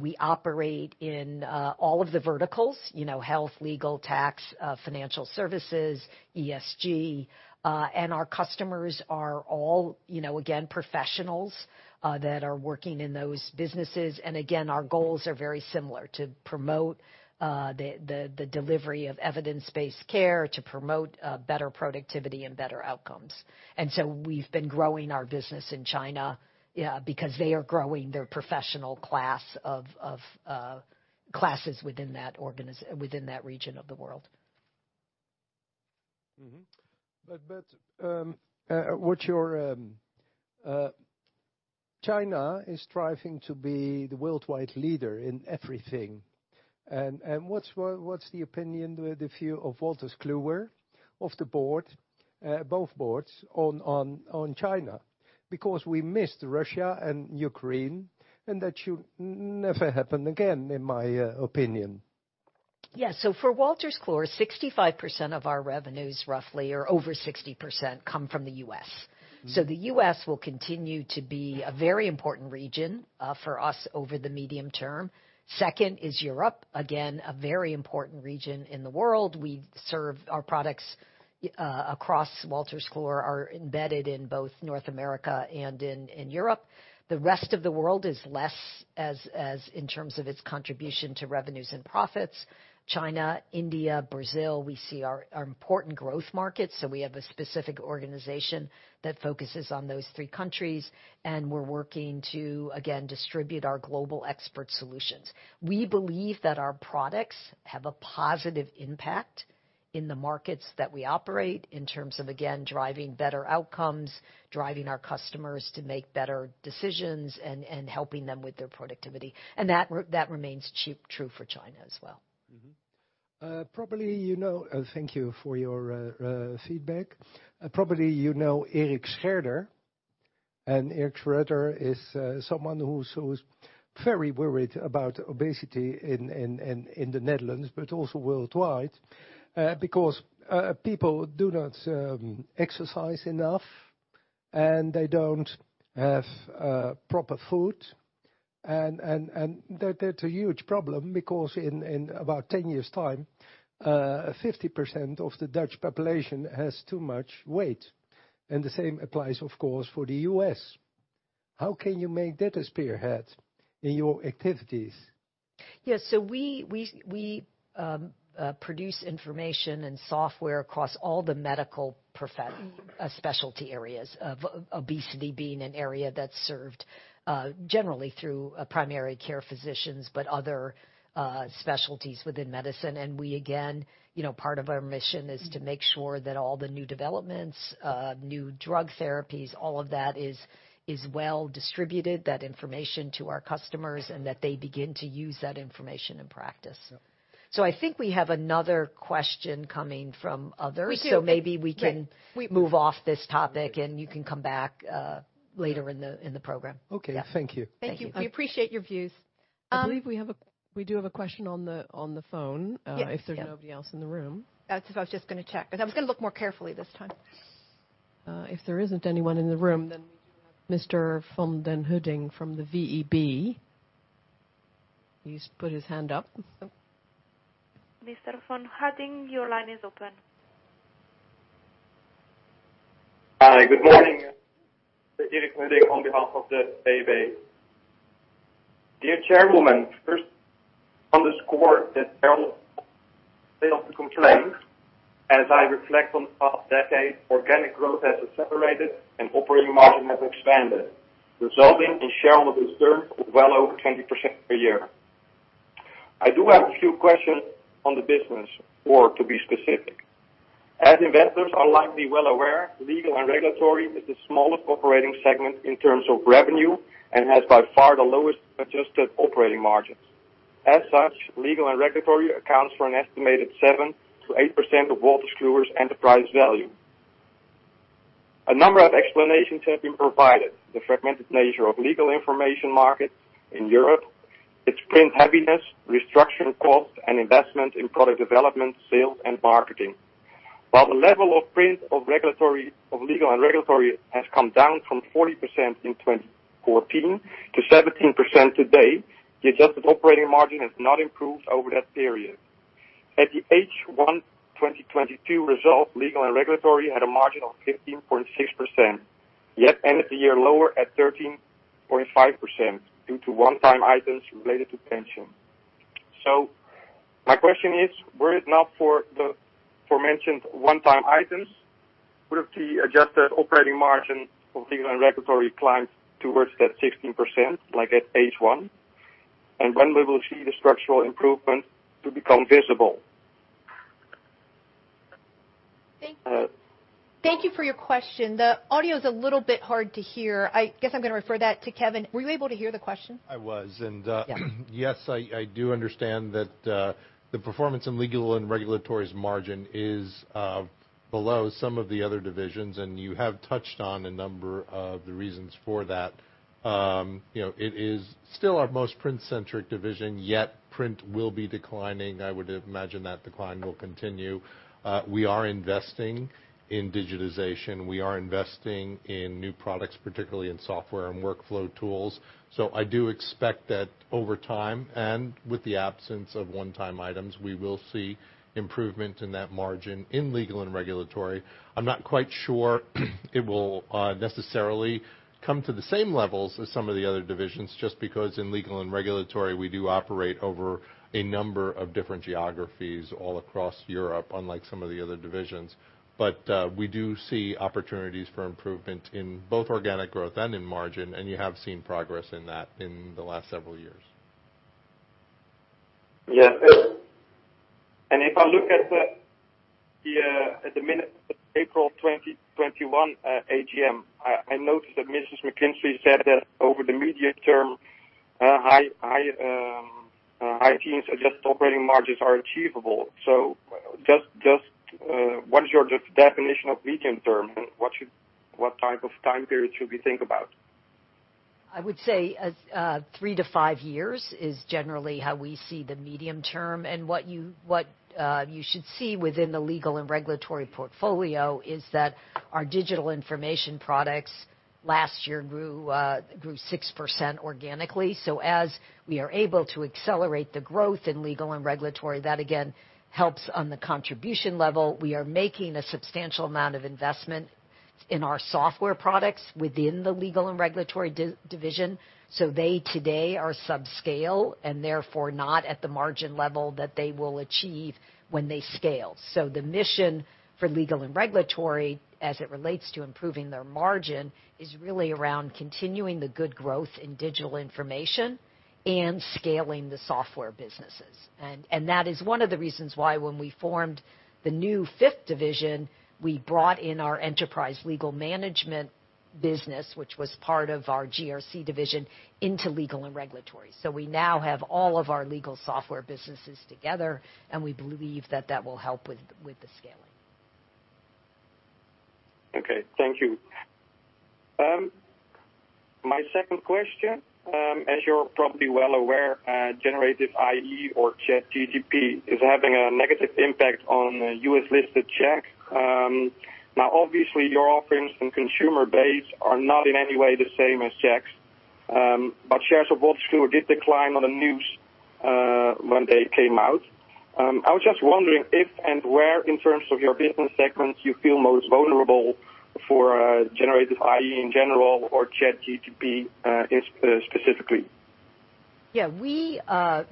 We operate in all of the verticals, you know, health, legal, tax, financial services, ESG. Our customers are all, you know, again, professionals that are working in those businesses. Again, our goals are very similar, to promote the delivery of evidence-based care, to promote better productivity and better outcomes. We've been growing our business in China because they are growing their professional class of classes within that region of the world. Mm-hmm. China is striving to be the worldwide leader in everything. What's the opinion with a few of Wolters Kluwer, of the board, both boards, on China? We missed Russia and Ukraine, that should never happen again, in my opinion. Yeah. for Wolters Kluwer, 65% of our revenues, roughly, or over 60% come from the US. Mm-hmm. The US will continue to be a very important region for us over the medium term. Second is Europe, again, a very important region in the world. We serve our products across Wolters Kluwer are embedded in both North America and in Europe. The rest of the world is less in terms of its contribution to revenues and profits. China, India, Brazil, we see are important growth markets, so we have a specific organization that focuses on those three countries, and we're working to, again, distribute our global expert solutions. We believe that our products have a positive impact. In the markets that we operate in terms of, again, driving better outcomes, driving our customers to make better decisions and helping them with their productivity. And that remains true for China as well. Probably, you know Thank you for your feedback. Probably, you know Erik Scherder, and Erik Scherder is someone who's very worried about obesity in the Netherlands, but also worldwide, because people do not exercise enough, and they don't have proper food. That's a huge problem because in about 10 years' time, 50% of the Dutch population has too much weight, and the same applies, of course, for the U.S. How can you make that a spearhead in your activities? Yes. We produce information and software across all the medical specialty areas, of obesity being an area that's served generally through primary care physicians, but other specialties within medicine. We, again, you know, part of our mission is to make sure that all the new developments, new drug therapies, all of that is well distributed, that information to our customers, and that they begin to use that information in practice. Yeah. I think we have another question coming from others. We do. maybe we can move off this topic, and you can come back, later in the, in the program. Okay. Thank you. Thank you. Thank you. We appreciate your views. I believe we have we do have a question on the phone. Yes. Yeah. If there's nobody else in the room. That's what I was just gonna check, 'cause I was gonna look more carefully this time. If there isn't anyone in the room, then Mr. van den Heuvel from the VEB. He's put his hand up. Mr. van den Heuvel, your line is open. Hi. Good morning. This is Erik van den Heuvel on behalf of the VEB. Dear chairwoman, first underscore that, as I reflect on the past decade, organic growth has accelerated and operating margin has expanded, resulting in shareholder returns of well over 20% per year. I do have a few questions on the business, or to be specific. As investors are likely well aware, legal and regulatory is the smallest operating segment in terms of revenue and has by far the lowest adjusted operating margins. As such, legal and regulatory accounts for an estimated 7%-8% of Wolters Kluwer's enterprise value. A number of explanations have been provided: the fragmented nature of legal information markets in Europe, its print heaviness, restructure costs, and investment in product development, sales, and marketing. While the level of print of legal and regulatory has come down from 40% in 2014 to 17% today, the adjusted operating margin has not improved over that period. At the H1 2022 result, legal and regulatory had a margin of 15.6%, yet ended the year lower at 13.5% due to one-time items related to pension. My question is, were it not for the aforementioned one-time items, would have the adjusted operating margin of legal and regulatory climbed towards that 16% like at H1? When we will see the structural improvement to become visible? Thank you for your question. The audio is a little bit hard to hear. I guess I'm gonna refer that to Kevin. Were you able to hear the question? I was. Yes, I do understand that the performance in legal and regulatory's margin is below some of the other divisions, and you have touched on a number of the reasons for that. You know, it is still our most print-centric division, yet print will be declining. I would imagine that decline will continue. We are investing in digitization. We are investing in new products, particularly in software and workflow tools. I do expect that over time, and with the absence of one-time items, we will see improvement in that margin in legal and regulatory. I'm not quite sure it will necessarily come to the same levels as some of the other divisions, just because in legal and regulatory, we do operate over a number of different geographies all across Europe, unlike some of the other divisions. We do see opportunities for improvement in both organic growth and in margin, and you have seen progress in that in the last several years. Yeah. If I look at the at the minute April 2021 AGM, I noticed that Mrs. McKinstry said that over the medium term, high teens adjusted operating margins are achievable. Just what is your definition of medium term, and what type of time period should we think about? I would say, 3-5 years is generally how we see the medium term. What you should see within the legal and regulatory portfolio is that our digital information products last year grew 6% organically. As we are able to accelerate the growth in legal and regulatory, that again helps on the contribution level. We are making a substantial amount of investment in our software products within the legal and regulatory division, so they today are subscale and therefore not at the margin level that they will achieve when they scale. The mission for legal and regulatory as it relates to improving their margin is really around continuing the good growth in digital information and scaling the software businesses. That is one of the reasons why when we formed the new fifth division, we brought in our enterprise legal management. Business, which was part of our GRC division into legal and regulatory. We now have all of our legal software businesses together, and we believe that will help with the scaling. Okay. Thank you. My second question, as you're probably well aware, generated AI or ChatGPT is having a negative impact on US-listed check. Now, obviously your offerings and consumer base are not in any way the same as checks. Shares of Wolters Kluwer did decline on the news when they came out. I was just wondering if and where, in terms of your business segments, you feel most vulnerable for generated AI in general or ChatGPT in specifically. Yeah, we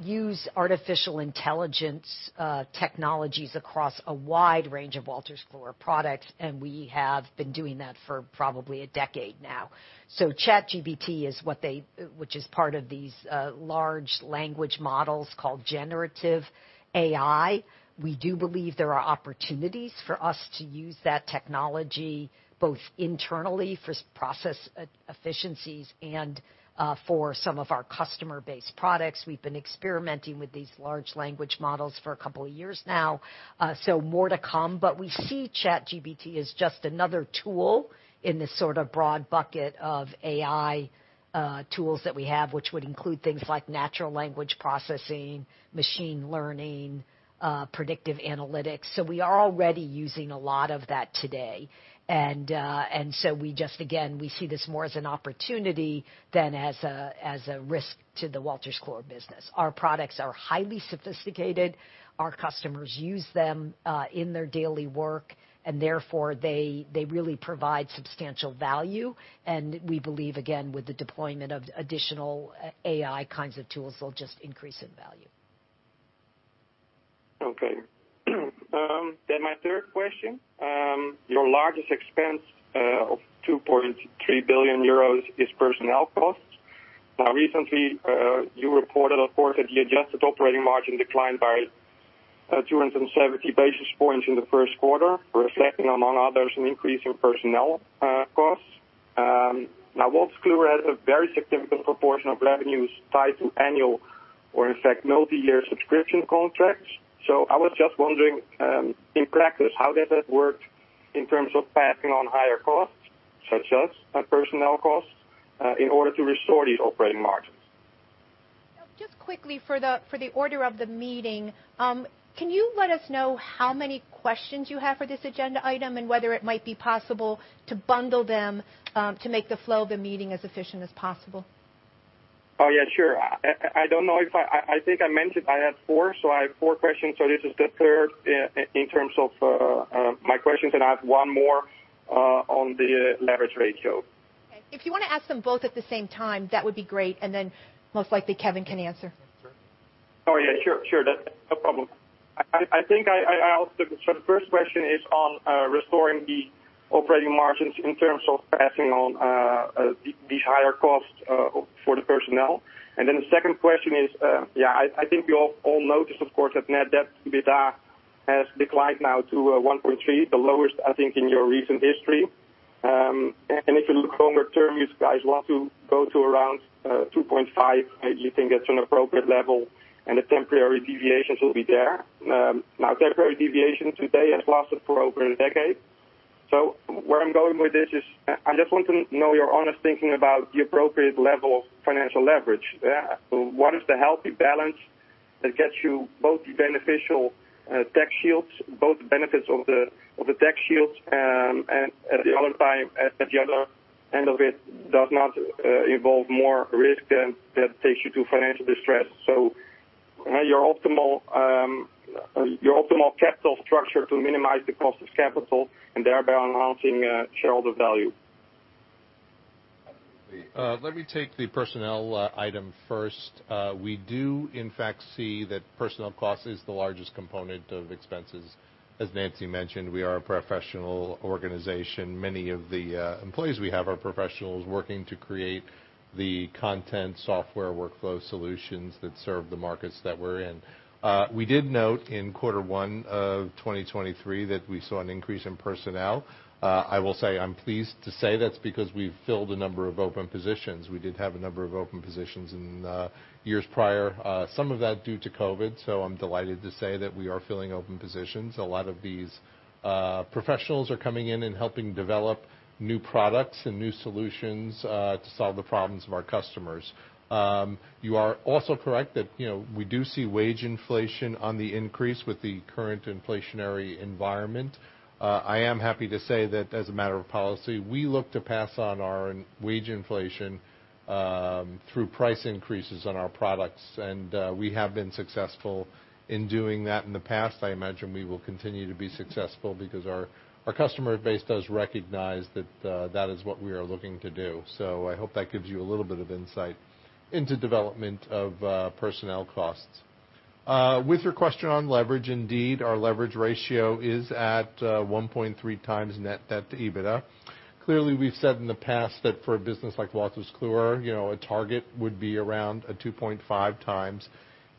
use artificial intelligence technologies across a wide range of Wolters Kluwer products, and we have been doing that for probably a decade now. ChatGPT which is part of these large language models called generative AI. We do believe there are opportunities for us to use that technology both internally for process efficiencies and for some of our customer base products. We've been experimenting with these large language models for a couple of years now, so more to come. We see ChatGPT as just another tool in this sort of broad bucket of AI tools that we have, which would include things like natural language processing, machine learning, predictive analytics. We are already using a lot of that today. We just again, we see this more as an opportunity than as a risk to the Wolters Kluwer business. Our products are highly sophisticated. Our customers use them in their daily work and therefore they really provide substantial value. We believe, again, with the deployment of additional AI kinds of tools, they'll just increase in value. Okay. My third question. Your largest expense of 2.3 billion euros is personnel costs. Recently, you reported, of course, that the adjusted operating margin declined by 270 basis points in the first quarter, reflecting, among others, an increase in personnel costs. Wolters Kluwer has a very significant proportion of revenues tied to annual or in fact, multi-year subscription contracts. I was just wondering, in practice, how does that work in terms of passing on higher costs, such as personnel costs, in order to restore these operating margins? Just quickly for the order of the meeting, can you let us know how many questions you have for this agenda item and whether it might be possible to bundle them to make the flow of the meeting as efficient as possible? Oh, yeah, sure. I don't know if I think I mentioned I had four, so I have four questions. This is the third in terms of my questions, I have one more on the leverage ratio. Okay. If you wanna ask them both at the same time, that would be great. Most likely Kevin can answer. Yeah, sure. That's no problem. I think I asked it. The first question is on restoring the operating margins in terms of passing on these higher costs for the personnel. The second question is, yeah, I think you all noticed, of course, that net debt to EBITDA has declined now to 1.3, the lowest, I think, in your recent history. If you look longer term, you guys want to go to around 2.5. You think it's an appropriate level and the temporary deviations will be there. Temporary deviation today has lasted for over a decade. Where I'm going with this is I just want to know your honest thinking about the appropriate level of financial leverage. What is the healthy balance that gets you both the beneficial tax shields, both the benefits of the tax shields, and at the other end of it does not involve more risk than that takes you to financial distress. Your optimal capital structure to minimize the cost of capital and thereby enhancing shareholder value. Let me take the personnel item first. We do in fact see that personnel cost is the largest component of expenses. As Nancy mentioned, we are a professional organization. Many of the employees we have are professionals working to create the content software workflow solutions that serve the markets that we're in. We did note in quarter one of 2023 that we saw an increase in personnel. I will say I'm pleased to say that's because we've filled a number of open positions. We did have a number of open positions in years prior, some of that due to COVID. I'm delighted to say that we are filling open positions. A lot of these professionals are coming in and helping develop new products and new solutions to solve the problems of our customers. You are also correct that, you know, we do see wage inflation on the increase with the current inflationary environment. I am happy to say that as a matter of policy, we look to pass on our wage inflation through price increases on our products, and we have been successful in doing that in the past. I imagine we will continue to be successful because our customer base does recognize that that is what we are looking to do. I hope that gives you a little bit of insight into development of personnel costs. With your question on leverage, indeed, our leverage ratio is at 1.3 times net debt to EBITDA. Clearly, we've said in the past that for a business like Wolters Kluwer, you know, a target would be around a 2.5 times.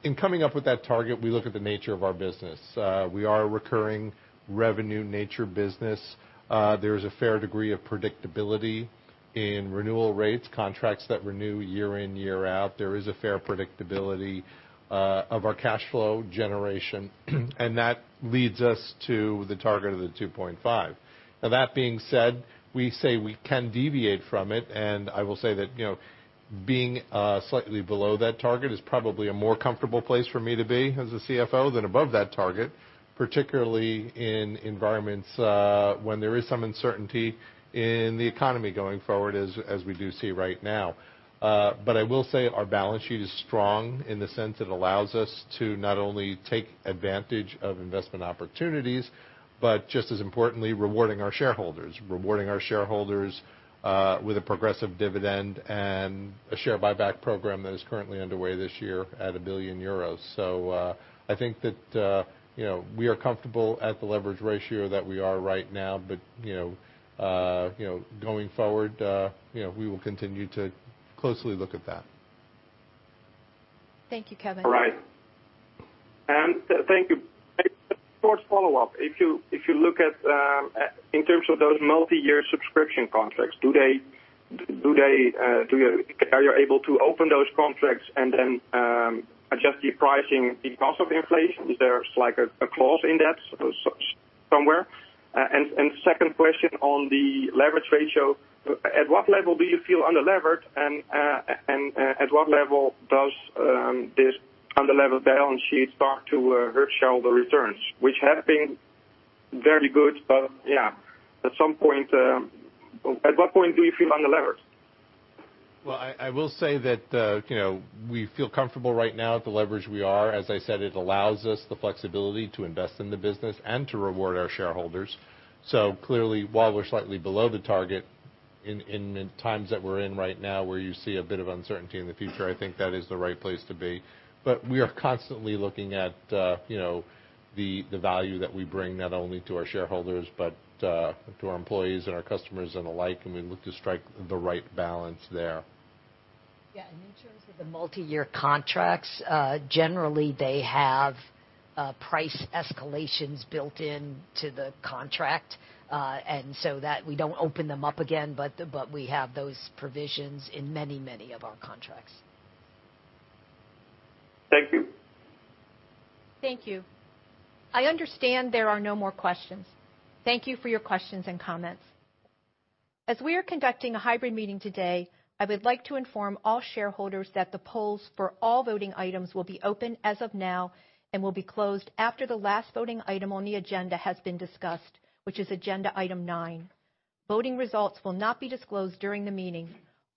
In coming up with that target, we look at the nature of our business. We are a recurring revenue nature business. There is a fair degree of predictability in renewal rates, contracts that renew year in, year out. There is a fair predictability of our cash flow generation, and that leads us to the target of the 2.5. That being said, we say we can deviate from it, I will say that, you know, being slightly below that target is probably a more comfortable place for me to be as a CFO than above that target, particularly in environments when there is some uncertainty in the economy going forward, as we do see right now. I will say our balance sheet is strong in the sense it allows us to not only take advantage of investment opportunities, but just as importantly, rewarding our shareholders. Rewarding our shareholders with a progressive dividend and a share buyback program that is currently underway this year at 1 billion euros. I think that, you know, we are comfortable at the leverage ratio that we are right now, but, you know, you know, going forward, you know, we will continue to closely look at that. Thank you, Kevin. All right. Thank you. A short follow-up. If you, if you look at in terms of those multi-year subscription contracts, are you able to open those contracts and then adjust the pricing because of inflation? Is there like a clause in that somewhere? Second question on the leverage ratio. At what level do you feel under-levered, and at what level does this under-levered balance sheet start to hurt shareholder returns, which have been very good, but yeah, at some point... At what point do you feel under-levered? Well, I will say that, you know, we feel comfortable right now at the leverage we are. As I said, it allows us the flexibility to invest in the business and to reward our shareholders. Clearly, while we're slightly below the target in the times that we're in right now, where you see a bit of uncertainty in the future, I think that is the right place to be. We are constantly looking at, you know, the value that we bring not only to our shareholders, but to our employees and our customers and alike, and we look to strike the right balance there. Yeah. In terms of the multi-year contracts, generally they have price escalations built into the contract, and so that we don't open them up again. We have those provisions in many of our contracts. Thank you. Thank you. I understand there are no more questions. Thank you for your questions and comments. As we are conducting a hybrid meeting today, I would like to inform all shareholders that the polls for all voting items will be open as of now and will be closed after the last voting item on the agenda has been discussed, which is agenda item nine. Voting results will not be disclosed during the meeting.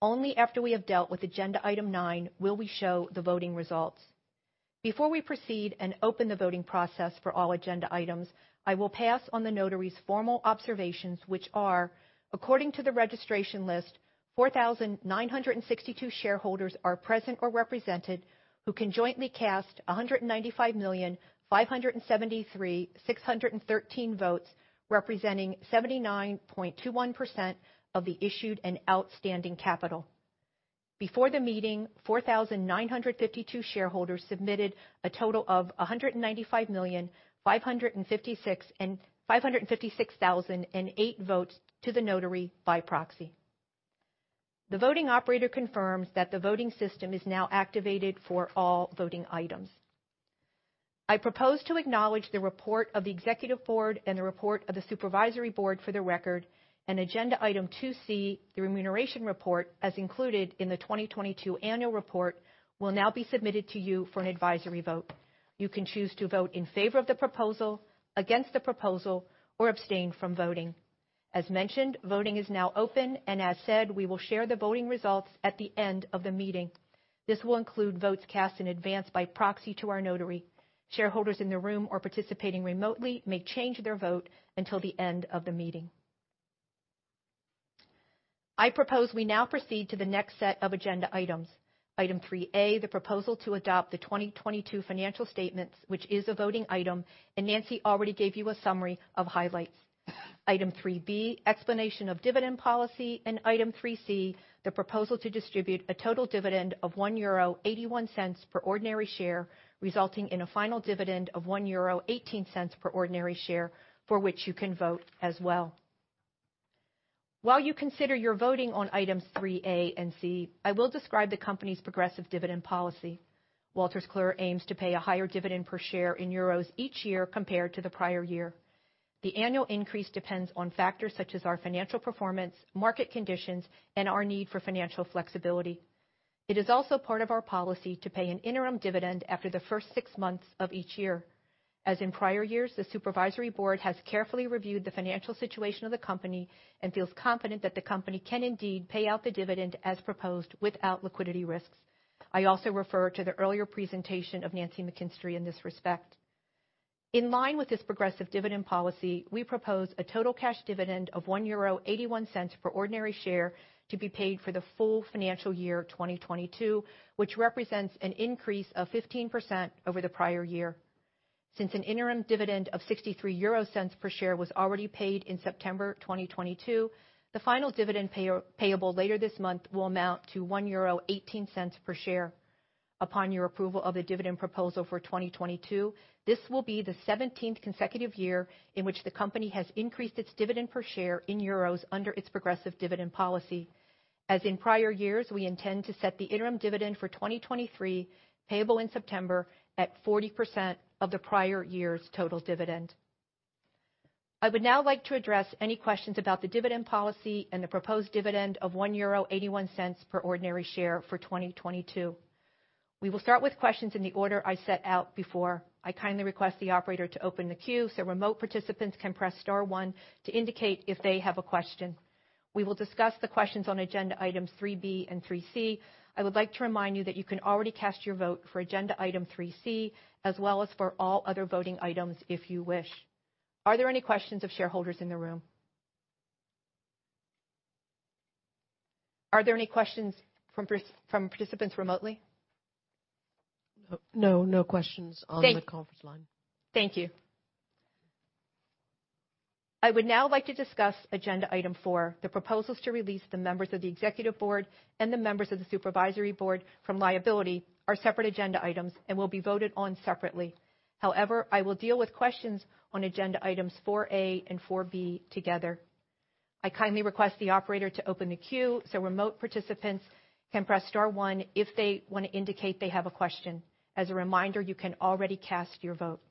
Only after we have dealt with agenda item nine will we show the voting results. Before we proceed and open the voting process for all agenda items, I will pass on the notary's formal observations, which are: according to the registration list, 4,962 shareholders are present or represented who can jointly cast 195,573,613 votes, representing 79.21% of the issued and outstanding capital. Before the meeting, 4,952 shareholders submitted a total of 195,556,564 votes to the notary by proxy. The voting operator confirms that the voting system is now activated for all voting items. I propose to acknowledge the report of the executive board and the report of the supervisory board for the record, and agenda item 2C, the remuneration report, as included in the 2022 annual report, will now be submitted to you for an advisory vote. You can choose to vote in favor of the proposal, against the proposal, or abstain from voting. As mentioned, voting is now open, and as said, we will share the voting results at the end of the meeting. This will include votes cast in advance by proxy to our notary. Shareholders in the room or participating remotely may change their vote until the end of the meeting. I propose we now proceed to the next set of agenda items. Item 3A, the proposal to adopt the 2022 financial statements, which is a voting item. Nancy already gave you a summary of highlights. Item 3B, explanation of dividend policy. Item 3C, the proposal to distribute a total dividend of 1.81 euro per ordinary share, resulting in a final dividend of 1.18 euro per ordinary share, for which you can vote as well. While you consider your voting on items 3A and 3C, I will describe the company's progressive dividend policy. Wolters Kluwer aims to pay a higher dividend per share in euros each year compared to the prior year. The annual increase depends on factors such as our financial performance, market conditions, and our need for financial flexibility. It is also part of our policy to pay an interim dividend after the first six months of each year. As in prior years, the supervisory board has carefully reviewed the financial situation of the company and feels confident that the company can indeed pay out the dividend as proposed without liquidity risks. I also refer to the earlier presentation of Nancy McKinstry in this respect. In line with this progressive dividend policy, we propose a total cash dividend of 1.81 euro for ordinary share to be paid for the full financial year 2022, which represents an increase of 15% over the prior year. Since an interim dividend of 0.63 per share was already paid in September 2022, the final dividend payable later this month will amount to 1.18 euro per share. Upon your approval of the dividend proposal for 2022, this will be the 17th consecutive year in which the company has increased its dividend per share in euros under its progressive dividend policy. As in prior years, we intend to set the interim dividend for 2023 payable in September at 40% of the prior year's total dividend. I would now like to address any questions about the dividend policy and the proposed dividend of 1.81 euro per ordinary share for 2022. We will start with questions in the order I set out before. I kindly request the operator to open the queue so remote participants can press star one to indicate if they have a question. We will discuss the questions on agenda item 3B and 3C. I would like to remind you that you can already cast your vote for agenda item 3C as well as for all other voting items if you wish. Are there any questions of shareholders in the room? Are there any questions from participants remotely? No. No questions on the conference line. Thank you. I would now like to discuss agenda item four, the proposals to release the members of the executive board and the members of the supervisory board from liability are separate agenda items and will be voted on separately. However, I will deal with questions on agenda items four A and four B together. I kindly request the operator to open the queue so remote participants can press star one if they wanna indicate they have a question. As a reminder, you can already cast your vote.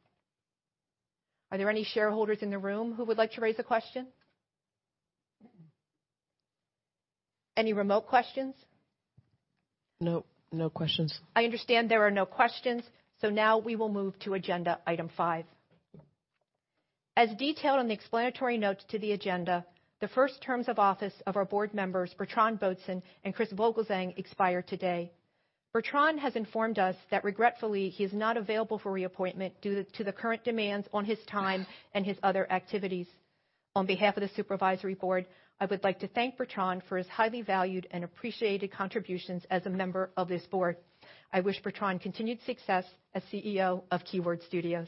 Are there any shareholders in the room who would like to raise a question? Any remote questions? No. No questions. I understand there are no questions. Now we will move to agenda item five. As detailed on the explanatory notes to the agenda, the first terms of office of our board members, Bertrand Bodson and Chris Vogelzang, expire today. Bertrand has informed us that regretfully, he is not available for reappointment due to the current demands on his time and his other activities. On behalf of the supervisory board, I would like to thank Bertrand for his highly valued and appreciated contributions as a member of this board. I wish Bertrand continued success as CEO of Keywords Studios.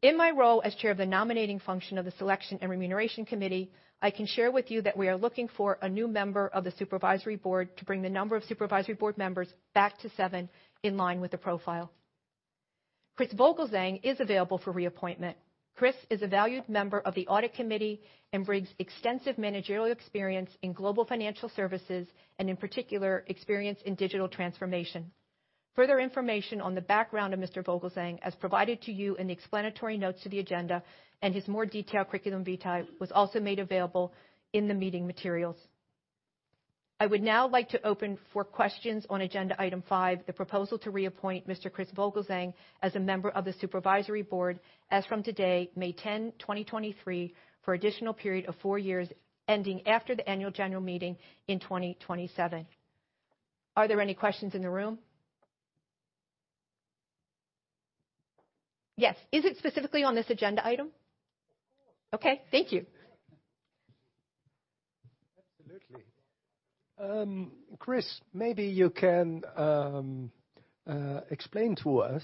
In my role as Chair of the Nominating Function of the Selection and Remuneration Committee, I can share with you that we are looking for a new member of the supervisory board to bring the number of supervisory board members back to seven, in line with the profile. Chris Vogelzang is available for reappointment. Chris is a valued member of the audit committee and brings extensive managerial experience in global financial services, and in particular, experience in digital transformation. Further information on the background of Mr. Vogelzang, as provided to you in the explanatory notes to the agenda and his more detailed curriculum vitae, was also made available in the meeting materials. I would now like to open for questions on agenda item five, the proposal to reappoint Mr. Chris Vogelzang as a member of the Supervisory Board as from today, May 10, 2023, for additional period of four years, ending after the annual general meeting in 2027. Are there any questions in the room? Yes. Is it specifically on this agenda item? Of course. Okay, thank you. Absolutely. Chris, maybe you can explain to us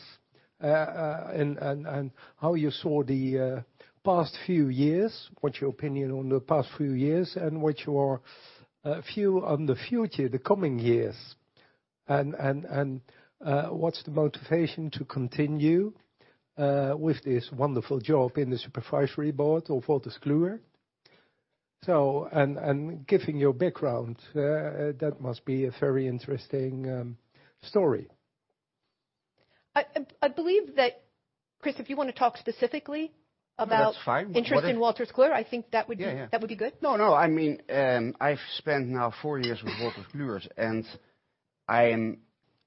and how you saw the past few years, what's your opinion on the past few years, and what you are view on the future, the coming years, and what's the motivation to continue with this wonderful job in the supervisory board of Wolters Kluwer? Given your background, that must be a very interesting story. I believe that, Chris, if you wanna talk specifically. That's fine. -interest in Wolters Kluwer, I think that would be- Yeah, yeah. That would be good. No, no. I mean, I've spent now four years with Wolters Kluwer, I am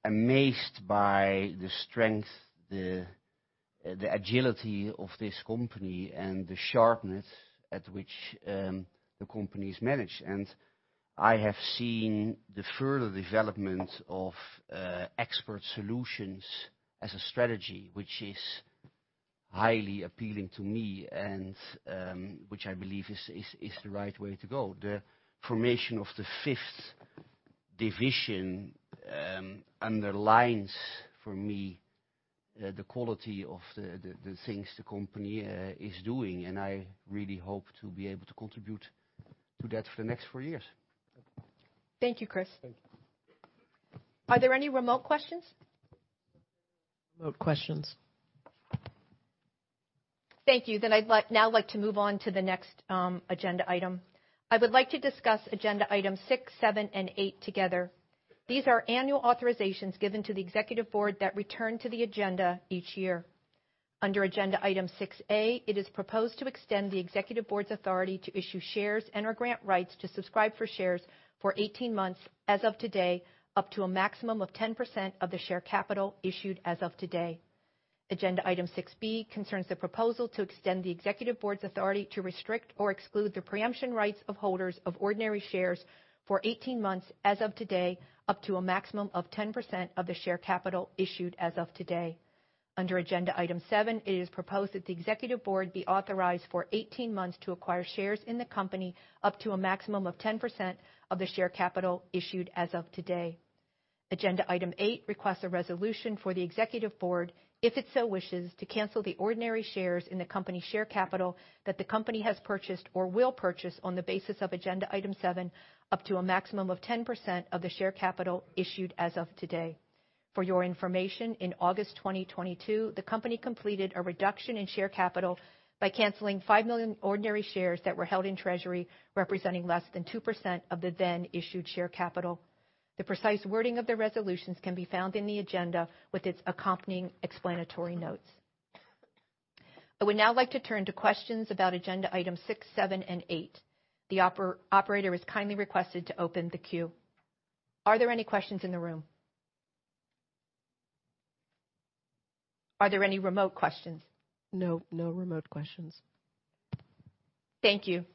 amazed by the strength, the agility of this company and the sharpness at which the company's managed. I have seen the further development of expert solutions as a strategy, which is highly appealing to me and which I believe is the right way to go. The formation of the fifth division underlines for me the quality of the things the company is doing, and I really hope to be able to contribute to that for the next four years. Thank you, Chris. Thank you. Are there any remote questions? No questions. Thank you. I'd now like to move on to the next agenda item. I would like to discuss agenda item six, seven, and eight together. These are annual authorizations given to the Executive Board that return to the agenda each year. Under agenda item 6A, it is proposed to extend the Executive Board's authority to issue shares and/or grant rights to subscribe for shares for 18 months as of today, up to a maximum of 10% of the share capital issued as of today. Agenda item six B concerns the proposal to extend the executive board's authority to restrict or exclude the preemption rights of holders of ordinary shares for 18 months as of today, up to a maximum of 10% of the share capital issued as of today. Under agenda item seven, it is proposed that the executive board be authorized for 18 months to acquire shares in the company up to a maximum of 10% of the share capital issued as of today. Agenda item eight requests a resolution for the executive board, if it so wishes, to cancel the ordinary shares in the company share capital that the company has purchased or will purchase on the basis of agenda item seven, up to a maximum of 10% of the share capital issued as of today. For your information, in August 2022, the company completed a reduction in share capital by canceling 5 million ordinary shares that were held in treasury, representing less than 2% of the then issued share capital. The precise wording of the resolutions can be found in the agenda with its accompanying explanatory notes. I would now like to turn to questions about agenda item six, seven, and eight. The operator is kindly requested to open the queue. Are there any questions in the room? Are there any remote questions? No. No remote questions. Thank you.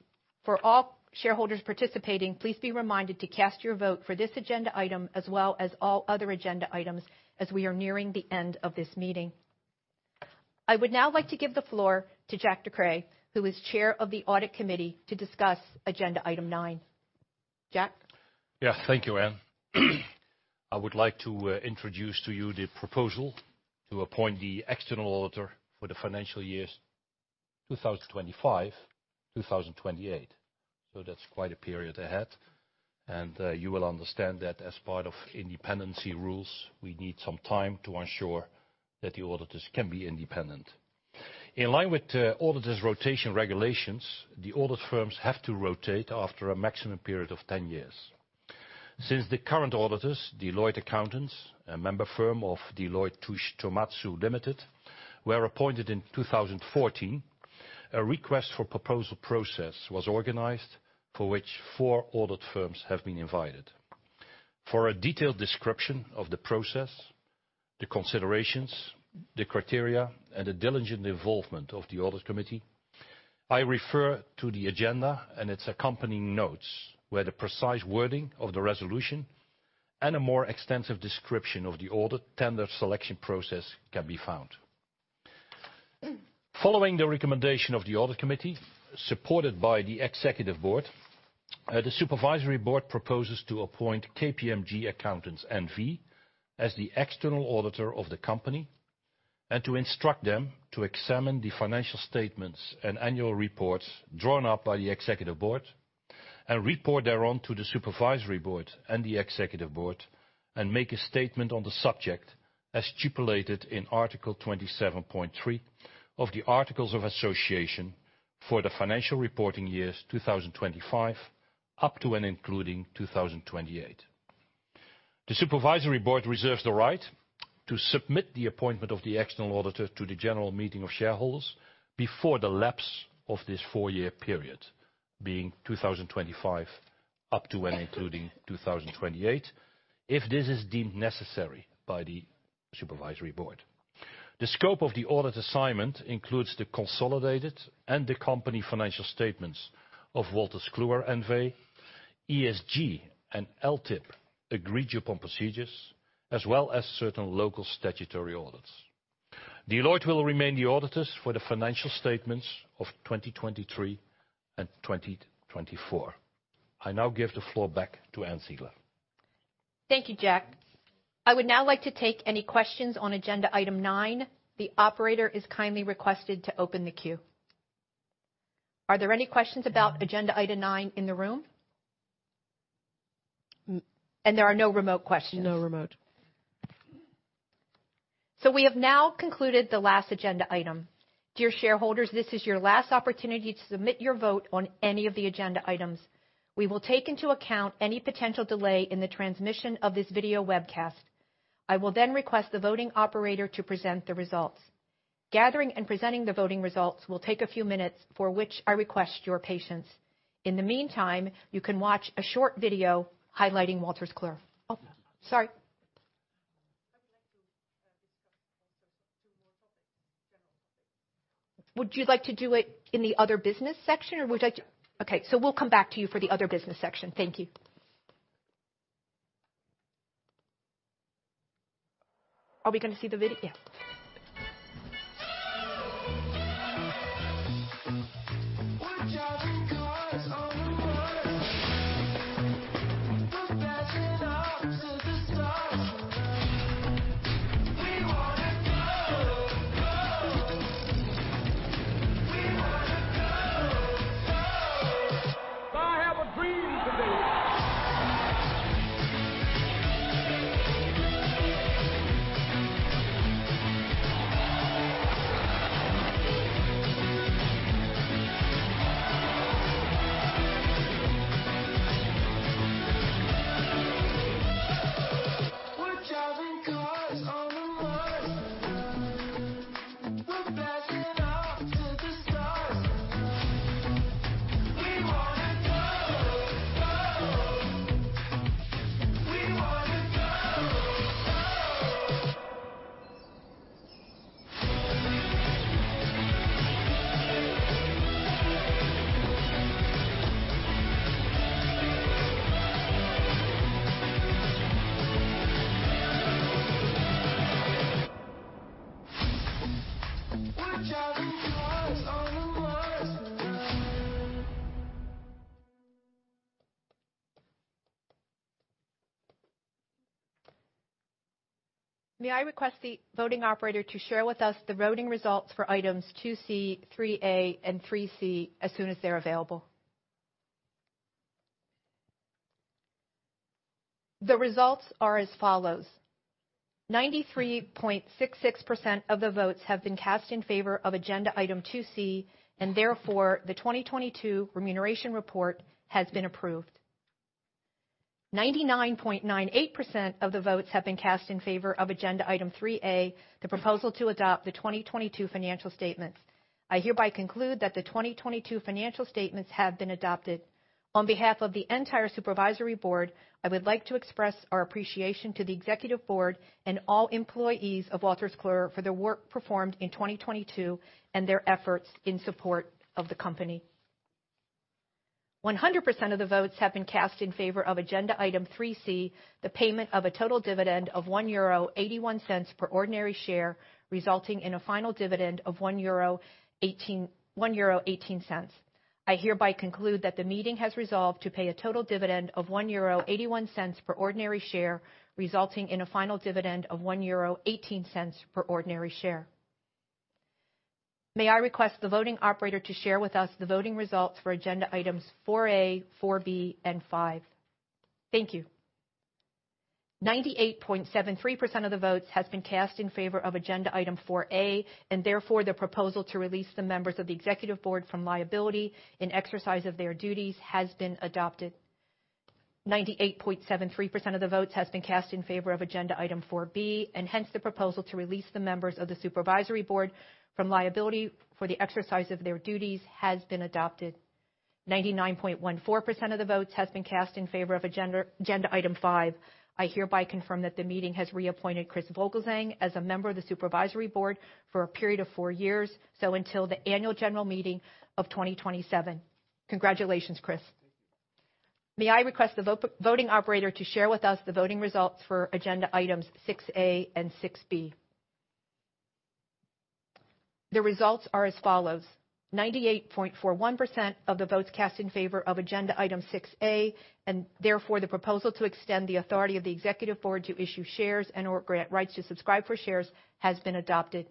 For all shareholders participating, please be reminded to cast your vote for this agenda item as well as all other agenda items as we are nearing the end of this meeting. I would now like to give the floor to Jack de Kreij, who is chair of the Audit Committee, to discuss agenda item nine. Jack? Yes, thank you, Ann. I would like to introduce to you the proposal to appoint the external auditor for the financial years 2025, 2028. That's quite a period ahead, and you will understand that as part of independency rules, we need some time to ensure that the auditors can be independent. In line with auditors' rotation regulations, the audit firms have to rotate after a maximum period of 10 years. Since the current auditors, Deloitte Accountants, a member firm of Deloitte Touche Tohmatsu Limited, were appointed in 2014, a request for proposal process was organized for which four audit firms have been invited. For a detailed description of the process, the considerations, the criteria, and the diligent involvement of the audit committee, I refer to the agenda and its accompanying notes, where the precise wording of the resolution and a more extensive description of the audit tender selection process can be found. Following the recommendation of the audit committee, supported by the executive board, the supervisory board proposes to appoint KPMG Accountants N.V. as the external auditor of the company and to instruct them to examine the financial statements and annual reports drawn up by the executive board and report thereon to the supervisory board and the executive board and make a statement on the subject as stipulated in Article 27.3 of the Articles of Association for the financial reporting years 2025 up to and including 2028. The supervisory board reserves the right to submit the appointment of the external auditor to the general meeting of shareholders before the lapse of this four-year period, being 2025 up to and including 2028, if this is deemed necessary by the supervisory board. The scope of the audit assignment includes the consolidated and the company financial statements of Wolters Kluwer N.V., ESG, and LTIP agreed-upon procedures, as well as certain local statutory audits. Deloitte will remain the auditors for the financial statements of 2023 and 2024. I now give the floor back to Ann Ziegler. Thank you, Jack. I would now like to take any questions on agenda item nine. The operator is kindly requested to open the queue. Are there any questions about agenda item nine in the room? There are no remote questions. No remote. We have now concluded the last agenda item. Dear shareholders, this is your last opportunity to submit your vote on any of the agenda items. We will take into account any potential delay in the transmission of this video webcast. I will then request the voting operator to present the results. Gathering and presenting the voting results will take a few minutes, for which I request your patience. In the meantime, you can watch a short video highlighting Wolters Kluwer. Oh, sorry. I would like to, discuss also two more topics, general topics. Would you like to do it in the other business section, or would you like to- Yeah. Okay. We'll come back to you for the other business section. Thank you. Are we gonna see the vid? Yeah. We're driving cars on the Mars. We're blasting off to the stars. We wanna go. We wanna go. I have a dream today. We're driving cars on the Mars. We're blasting off to the stars. We wanna go. We wanna go. May I request the voting operator to share with us the voting results for items 2C, 3A, and 3C as soon as they're available. The results are as follows: 93.66% of the votes have been cast in favor of agenda item 2C, and therefore, the 2022 remuneration report has been approved. 99.98% of the votes have been cast in favor of agenda item 3A, the proposal to adopt the 2022 financial statements. I hereby conclude that the 2022 financial statements have been adopted. On behalf of the entire supervisory board, I would like to express our appreciation to the executive board and all employees of Wolters Kluwer for their work performed in 2022 and their efforts in support of the company. 100% of the votes have been cast in favor of agenda item 3C, the payment of a total dividend of 1.81 euro per ordinary share, resulting in a final dividend of 1.18 euro. I hereby conclude that the meeting has resolved to pay a total dividend of 1.81 euro per ordinary share, resulting in a final dividend of 1.18 euro per ordinary share. May I request the voting operator to share with us the voting results for agenda items 4A, 4B, and five. Thank you. 98.73% of the votes has been cast in favor of agenda item 4A. Therefore, the proposal to release the members of the executive board from liability in exercise of their duties has been adopted. 98.73% of the votes has been cast in favor of agenda item 4B, and hence the proposal to release the members of the supervisory board from liability for the exercise of their duties has been adopted. 99.14% of the votes has been cast in favor of agenda item five. I hereby confirm that the meeting has reappointed Chris Vogelzang as a member of the supervisory board for a period of four years, so until the annual general meeting of 2027. Congratulations, Chris. May I request voting operator to share with us the voting results for agenda items 6A and 6B. The results are as follows: 98.41% of the votes cast in favor of agenda item 6A, and therefore the proposal to extend the authority of the executive board to issue shares and/or grant rights to subscribe for shares has been adopted.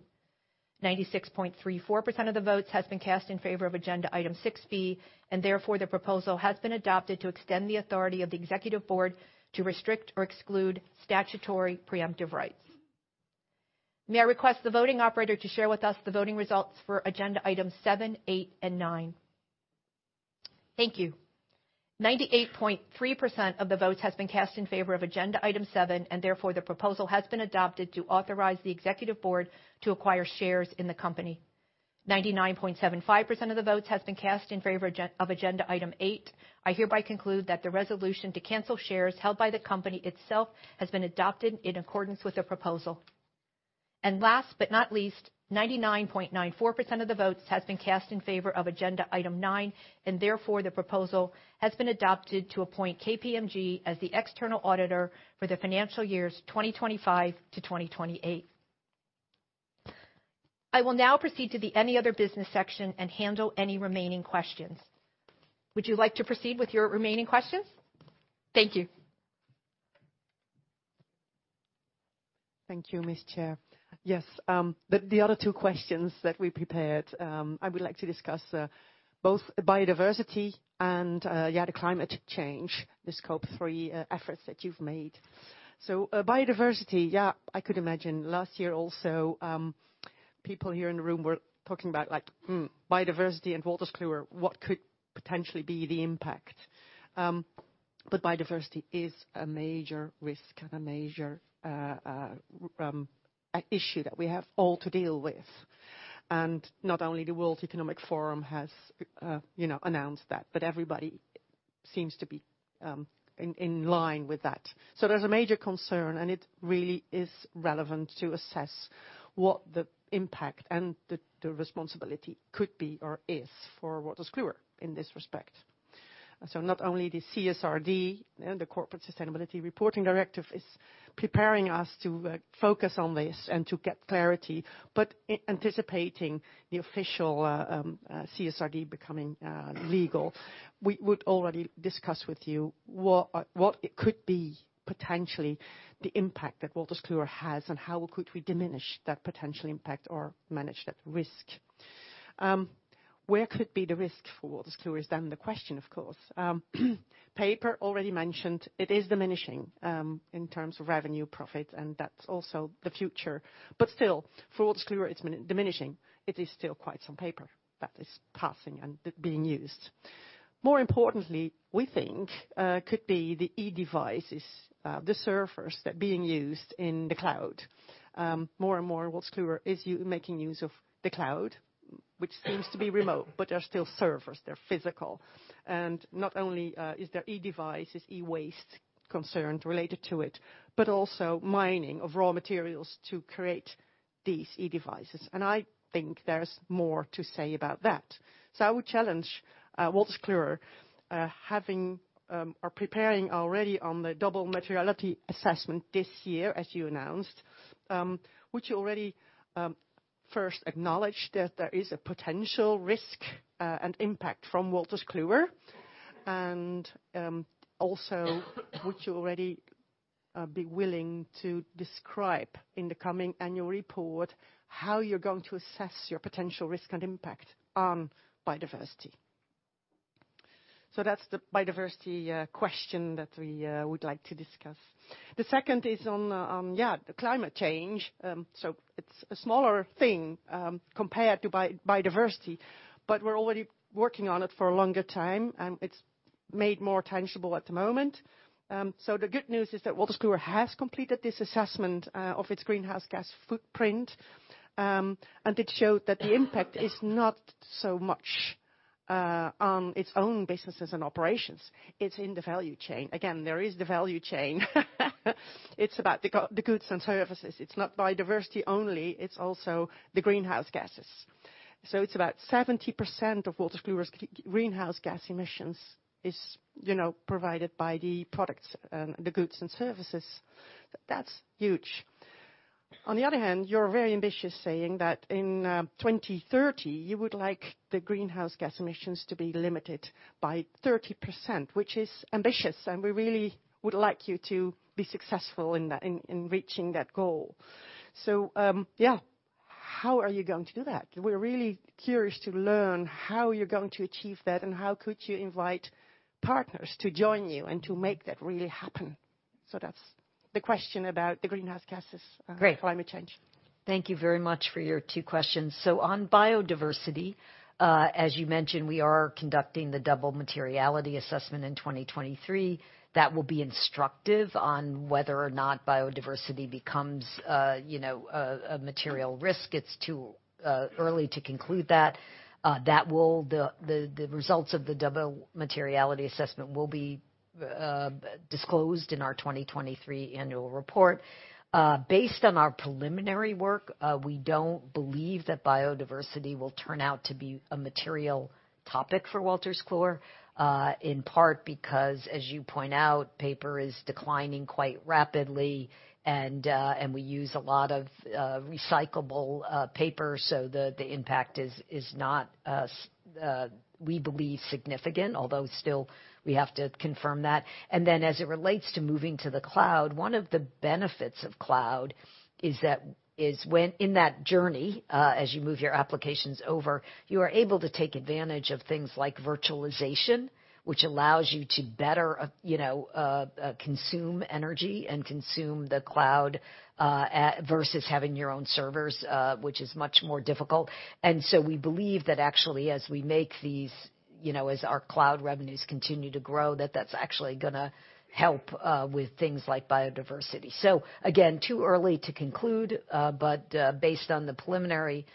96.34% of the votes has been cast in favor of agenda item 6B, and therefore the proposal has been adopted to extend the authority of the executive board to restrict or exclude statutory preemptive rights. May I request the voting operator to share with us the voting results for agenda item-seven, eight, and nine. Thank you. 98.3% of the votes has been cast in favor of agenda item seven, and therefore the proposal has been adopted to authorize the executive board to acquire shares in the company. 99.75% of the votes has been cast in favor of agenda item eight. I hereby conclude that the resolution to cancel shares held by the company itself has been adopted in accordance with the proposal. Last but not least, 99.94% of the votes has been cast in favor of agenda item nine, and therefore the proposal has been adopted to appoint KPMG as the external auditor for the financial years 2025 to 2028. I will now proceed to the any other business section and handle any remaining questions. Would you like to proceed with your remaining questions? Thank you. Thank you, Ms. Chair. The other two questions that we prepared, I would like to discuss both biodiversity and, yeah, the climate change, the Scope 3 efforts that you've made. Biodiversity, yeah, I could imagine last year also, people here in the room were talking about like, hmm, biodiversity and Wolters Kluwer, what could potentially be the impact? Biodiversity is a major risk and a major issue that we have all to deal with. Not only the World Economic Forum has, you know, announced that, but everybody seems to be in line with that. There's a major concern, and it really is relevant to assess what the impact and the responsibility could be or is for Wolters Kluwer in this respect. Not only the CSRD and the Corporate Sustainability Reporting Directive is preparing us to focus on this and to get clarity, but anticipating the official CSRD becoming legal, we would already discuss with you what it could be potentially the impact that Wolters Kluwer has and how could we diminish that potential impact or manage this risk. Where could be the risk for Wolters Kluwer is then the question, of course. Paper already mentioned it is diminishing in terms of revenue profit, and that's also the future. Still, for Wolters Kluwer, it's diminishing, it is still quite some paper that is passing and being used. More importantly, we think, could be the e-devices, the servers that are being used in the cloud. More and more, Wolters Kluwer is making use of the cloud. Which seems to be remote, but they're still servers, they're physical. Not only is there e-devices, e-waste concerns related to it, but also mining of raw materials to create these e-devices. I think there's more to say about that. I would challenge Wolters Kluwer, having or preparing already on the double materiality assessment this year, as you announced. Would you already first acknowledge that there is a potential risk and impact from Wolters Kluwer? Also, would you already be willing to describe in the coming annual report how you're going to assess your potential risk and impact on biodiversity? That's the biodiversity question that we would like to discuss. The second is on the climate change. It's a smaller thing, compared to biodiversity, but we're already working on it for a longer time, and it's made more tangible at the moment. The good news is that Wolters Kluwer has completed this assessment of its greenhouse gas footprint. It showed that the impact is not so much on its own businesses and operations. It's in the value chain. Again, there is the value chain. It's about the goods and services. It's not biodiversity only, it's also the greenhouse gases. It's about 70% of Wolters Kluwer's greenhouse gas emissions is, you know, provided by the products and the goods and services. That's huge. On the other hand, you're very ambitious saying that in 2030, you would like the greenhouse gas emissions to be limited by 30%, which is ambitious, and we really would like you to be successful in that, in reaching that goal. How are you going to do that? We're really curious to learn how you're going to achieve that, and how could you invite partners to join you and to make that really happen? That's the question about the greenhouse gases. Great. climate change. Thank you very much for your two questions. On biodiversity, as you mentioned, we are conducting the double materiality assessment in 2023. That will be instructive on whether or not biodiversity becomes, you know, a material risk. It's too early to conclude that. The results of the double materiality assessment will be disclosed in our 2023 annual report. Based on our preliminary work, we don't believe that biodiversity will turn out to be a material topic for Wolters Kluwer, in part because, as you point out, paper is declining quite rapidly and we use a lot of recyclable paper, so the impact is not, we believe significant, although still we have to confirm that. As it relates to moving to the cloud, one of the benefits of cloud is that, when in that journey, as you move your applications over, you are able to take advantage of things like virtualization, which allows you to better, you know, consume energy and consume the cloud, versus having your own servers, which is much more difficult. We believe that actually as we make these, you know, as our cloud revenues continue to grow, that that's actually gonna help with things like biodiversity. Again, too early to conclude, but, based on the preliminary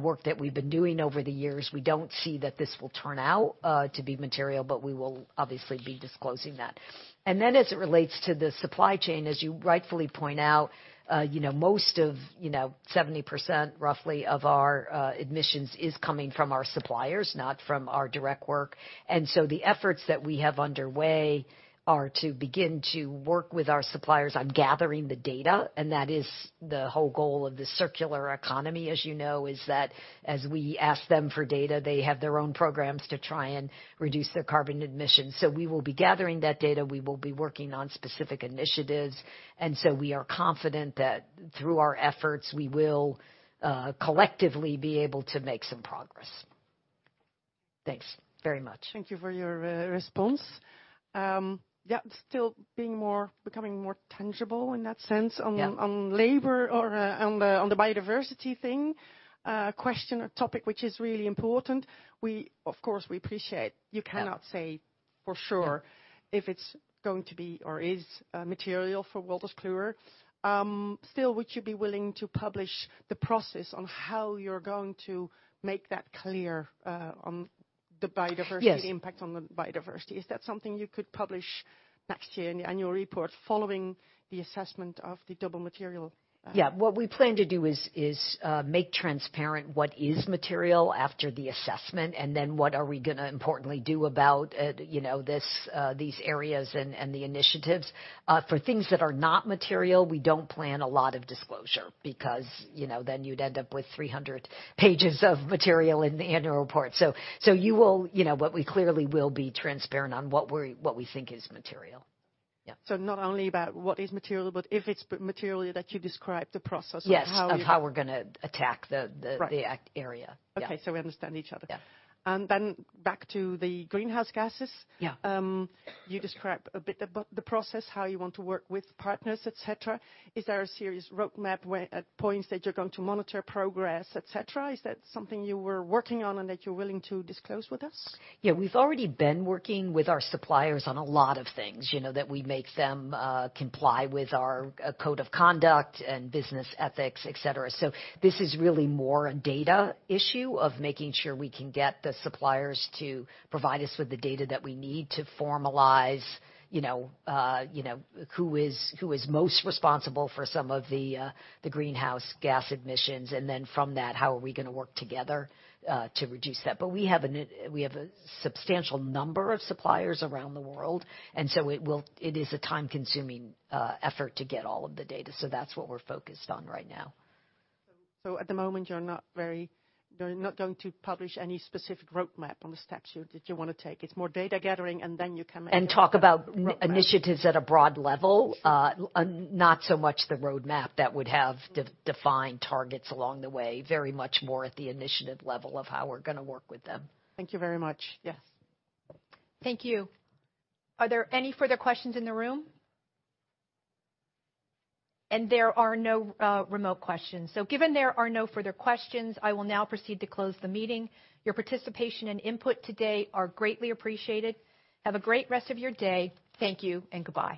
work that we've been doing over the years, we don't see that this will turn out to be material, but we will obviously be disclosing that. As it relates to the supply chain, as you rightfully point out, you know, most of 70% roughly of our emissions is coming from our suppliers, not from our direct work. The efforts that we have underway are to begin to work with our suppliers on gathering the data, and that is the whole goal of the circular economy, as you know, is that as we ask them for data, they have their own programs to try and reduce their carbon emissions. We will be gathering that data. We will be working on specific initiatives. We are confident that through our efforts, we will collectively be able to make some progress. Thanks very much. Thank you for your response. Still being more, becoming more tangible in that sense. Yeah. -on, on labor or on the biodiversity thing. question or topic which is really important. We, of course, we appreciate you cannot say for sure- Yeah. if it's going to be or is, material for Wolters Kluwer. Still, would you be willing to publish the process on how you're going to make that clear, on the biodiversity-? Yes. the impact on the biodiversity? Is that something you could publish next year in the annual report following the assessment of the double material? Yeah. What we plan to do is make transparent what is material after the assessment and then what are we gonna importantly do about, you know, this, these areas and the initiatives. For things that are not material, we don't plan a lot of disclosure because, you know, then you'd end up with 300 pages of material in the annual report. You will. You know, but we clearly will be transparent on what we think is material. Yeah. Not only about what is material, but if it's material that you describe the process of how you. Yes, of how we're gonna attack the. Right. the area. Yeah. Okay. We understand each other. Yeah. Back to the greenhouse gases. Yeah. You described a bit about the process, how you want to work with partners, et cetera. Is there a serious roadmap where at points that you're going to monitor progress, et cetera? Is that something you were working on and that you're willing to disclose with us? Yeah. We've already been working with our suppliers on a lot of things, you know, that we make them comply with our code of conduct and business ethics, et cetera. This is really more a data issue of making sure we can get the suppliers to provide us with the data that we need to formalize, you know, who is most responsible for some of the greenhouse gas emissions. From that, how are we gonna work together to reduce that? We have a substantial number of suppliers around the world, and so it is a time-consuming effort to get all of the data. That's what we're focused on right now. At the moment, you're not going to publish any specific roadmap on the steps you, that you wanna take. It's more data gathering, and then you can make... talk about- -roadmap. -initiatives at a broad level. Sure. not so much the roadmap that would have de-defined targets along the way. Very much more at the initiative level of how we're gonna work with them. Thank you very much. Yes. Thank you. Are there any further questions in the room? There are no remote questions. Given there are no further questions, I will now proceed to close the meeting. Your participation and input today are greatly appreciated. Have a great rest of your day. Thank you and goodbye.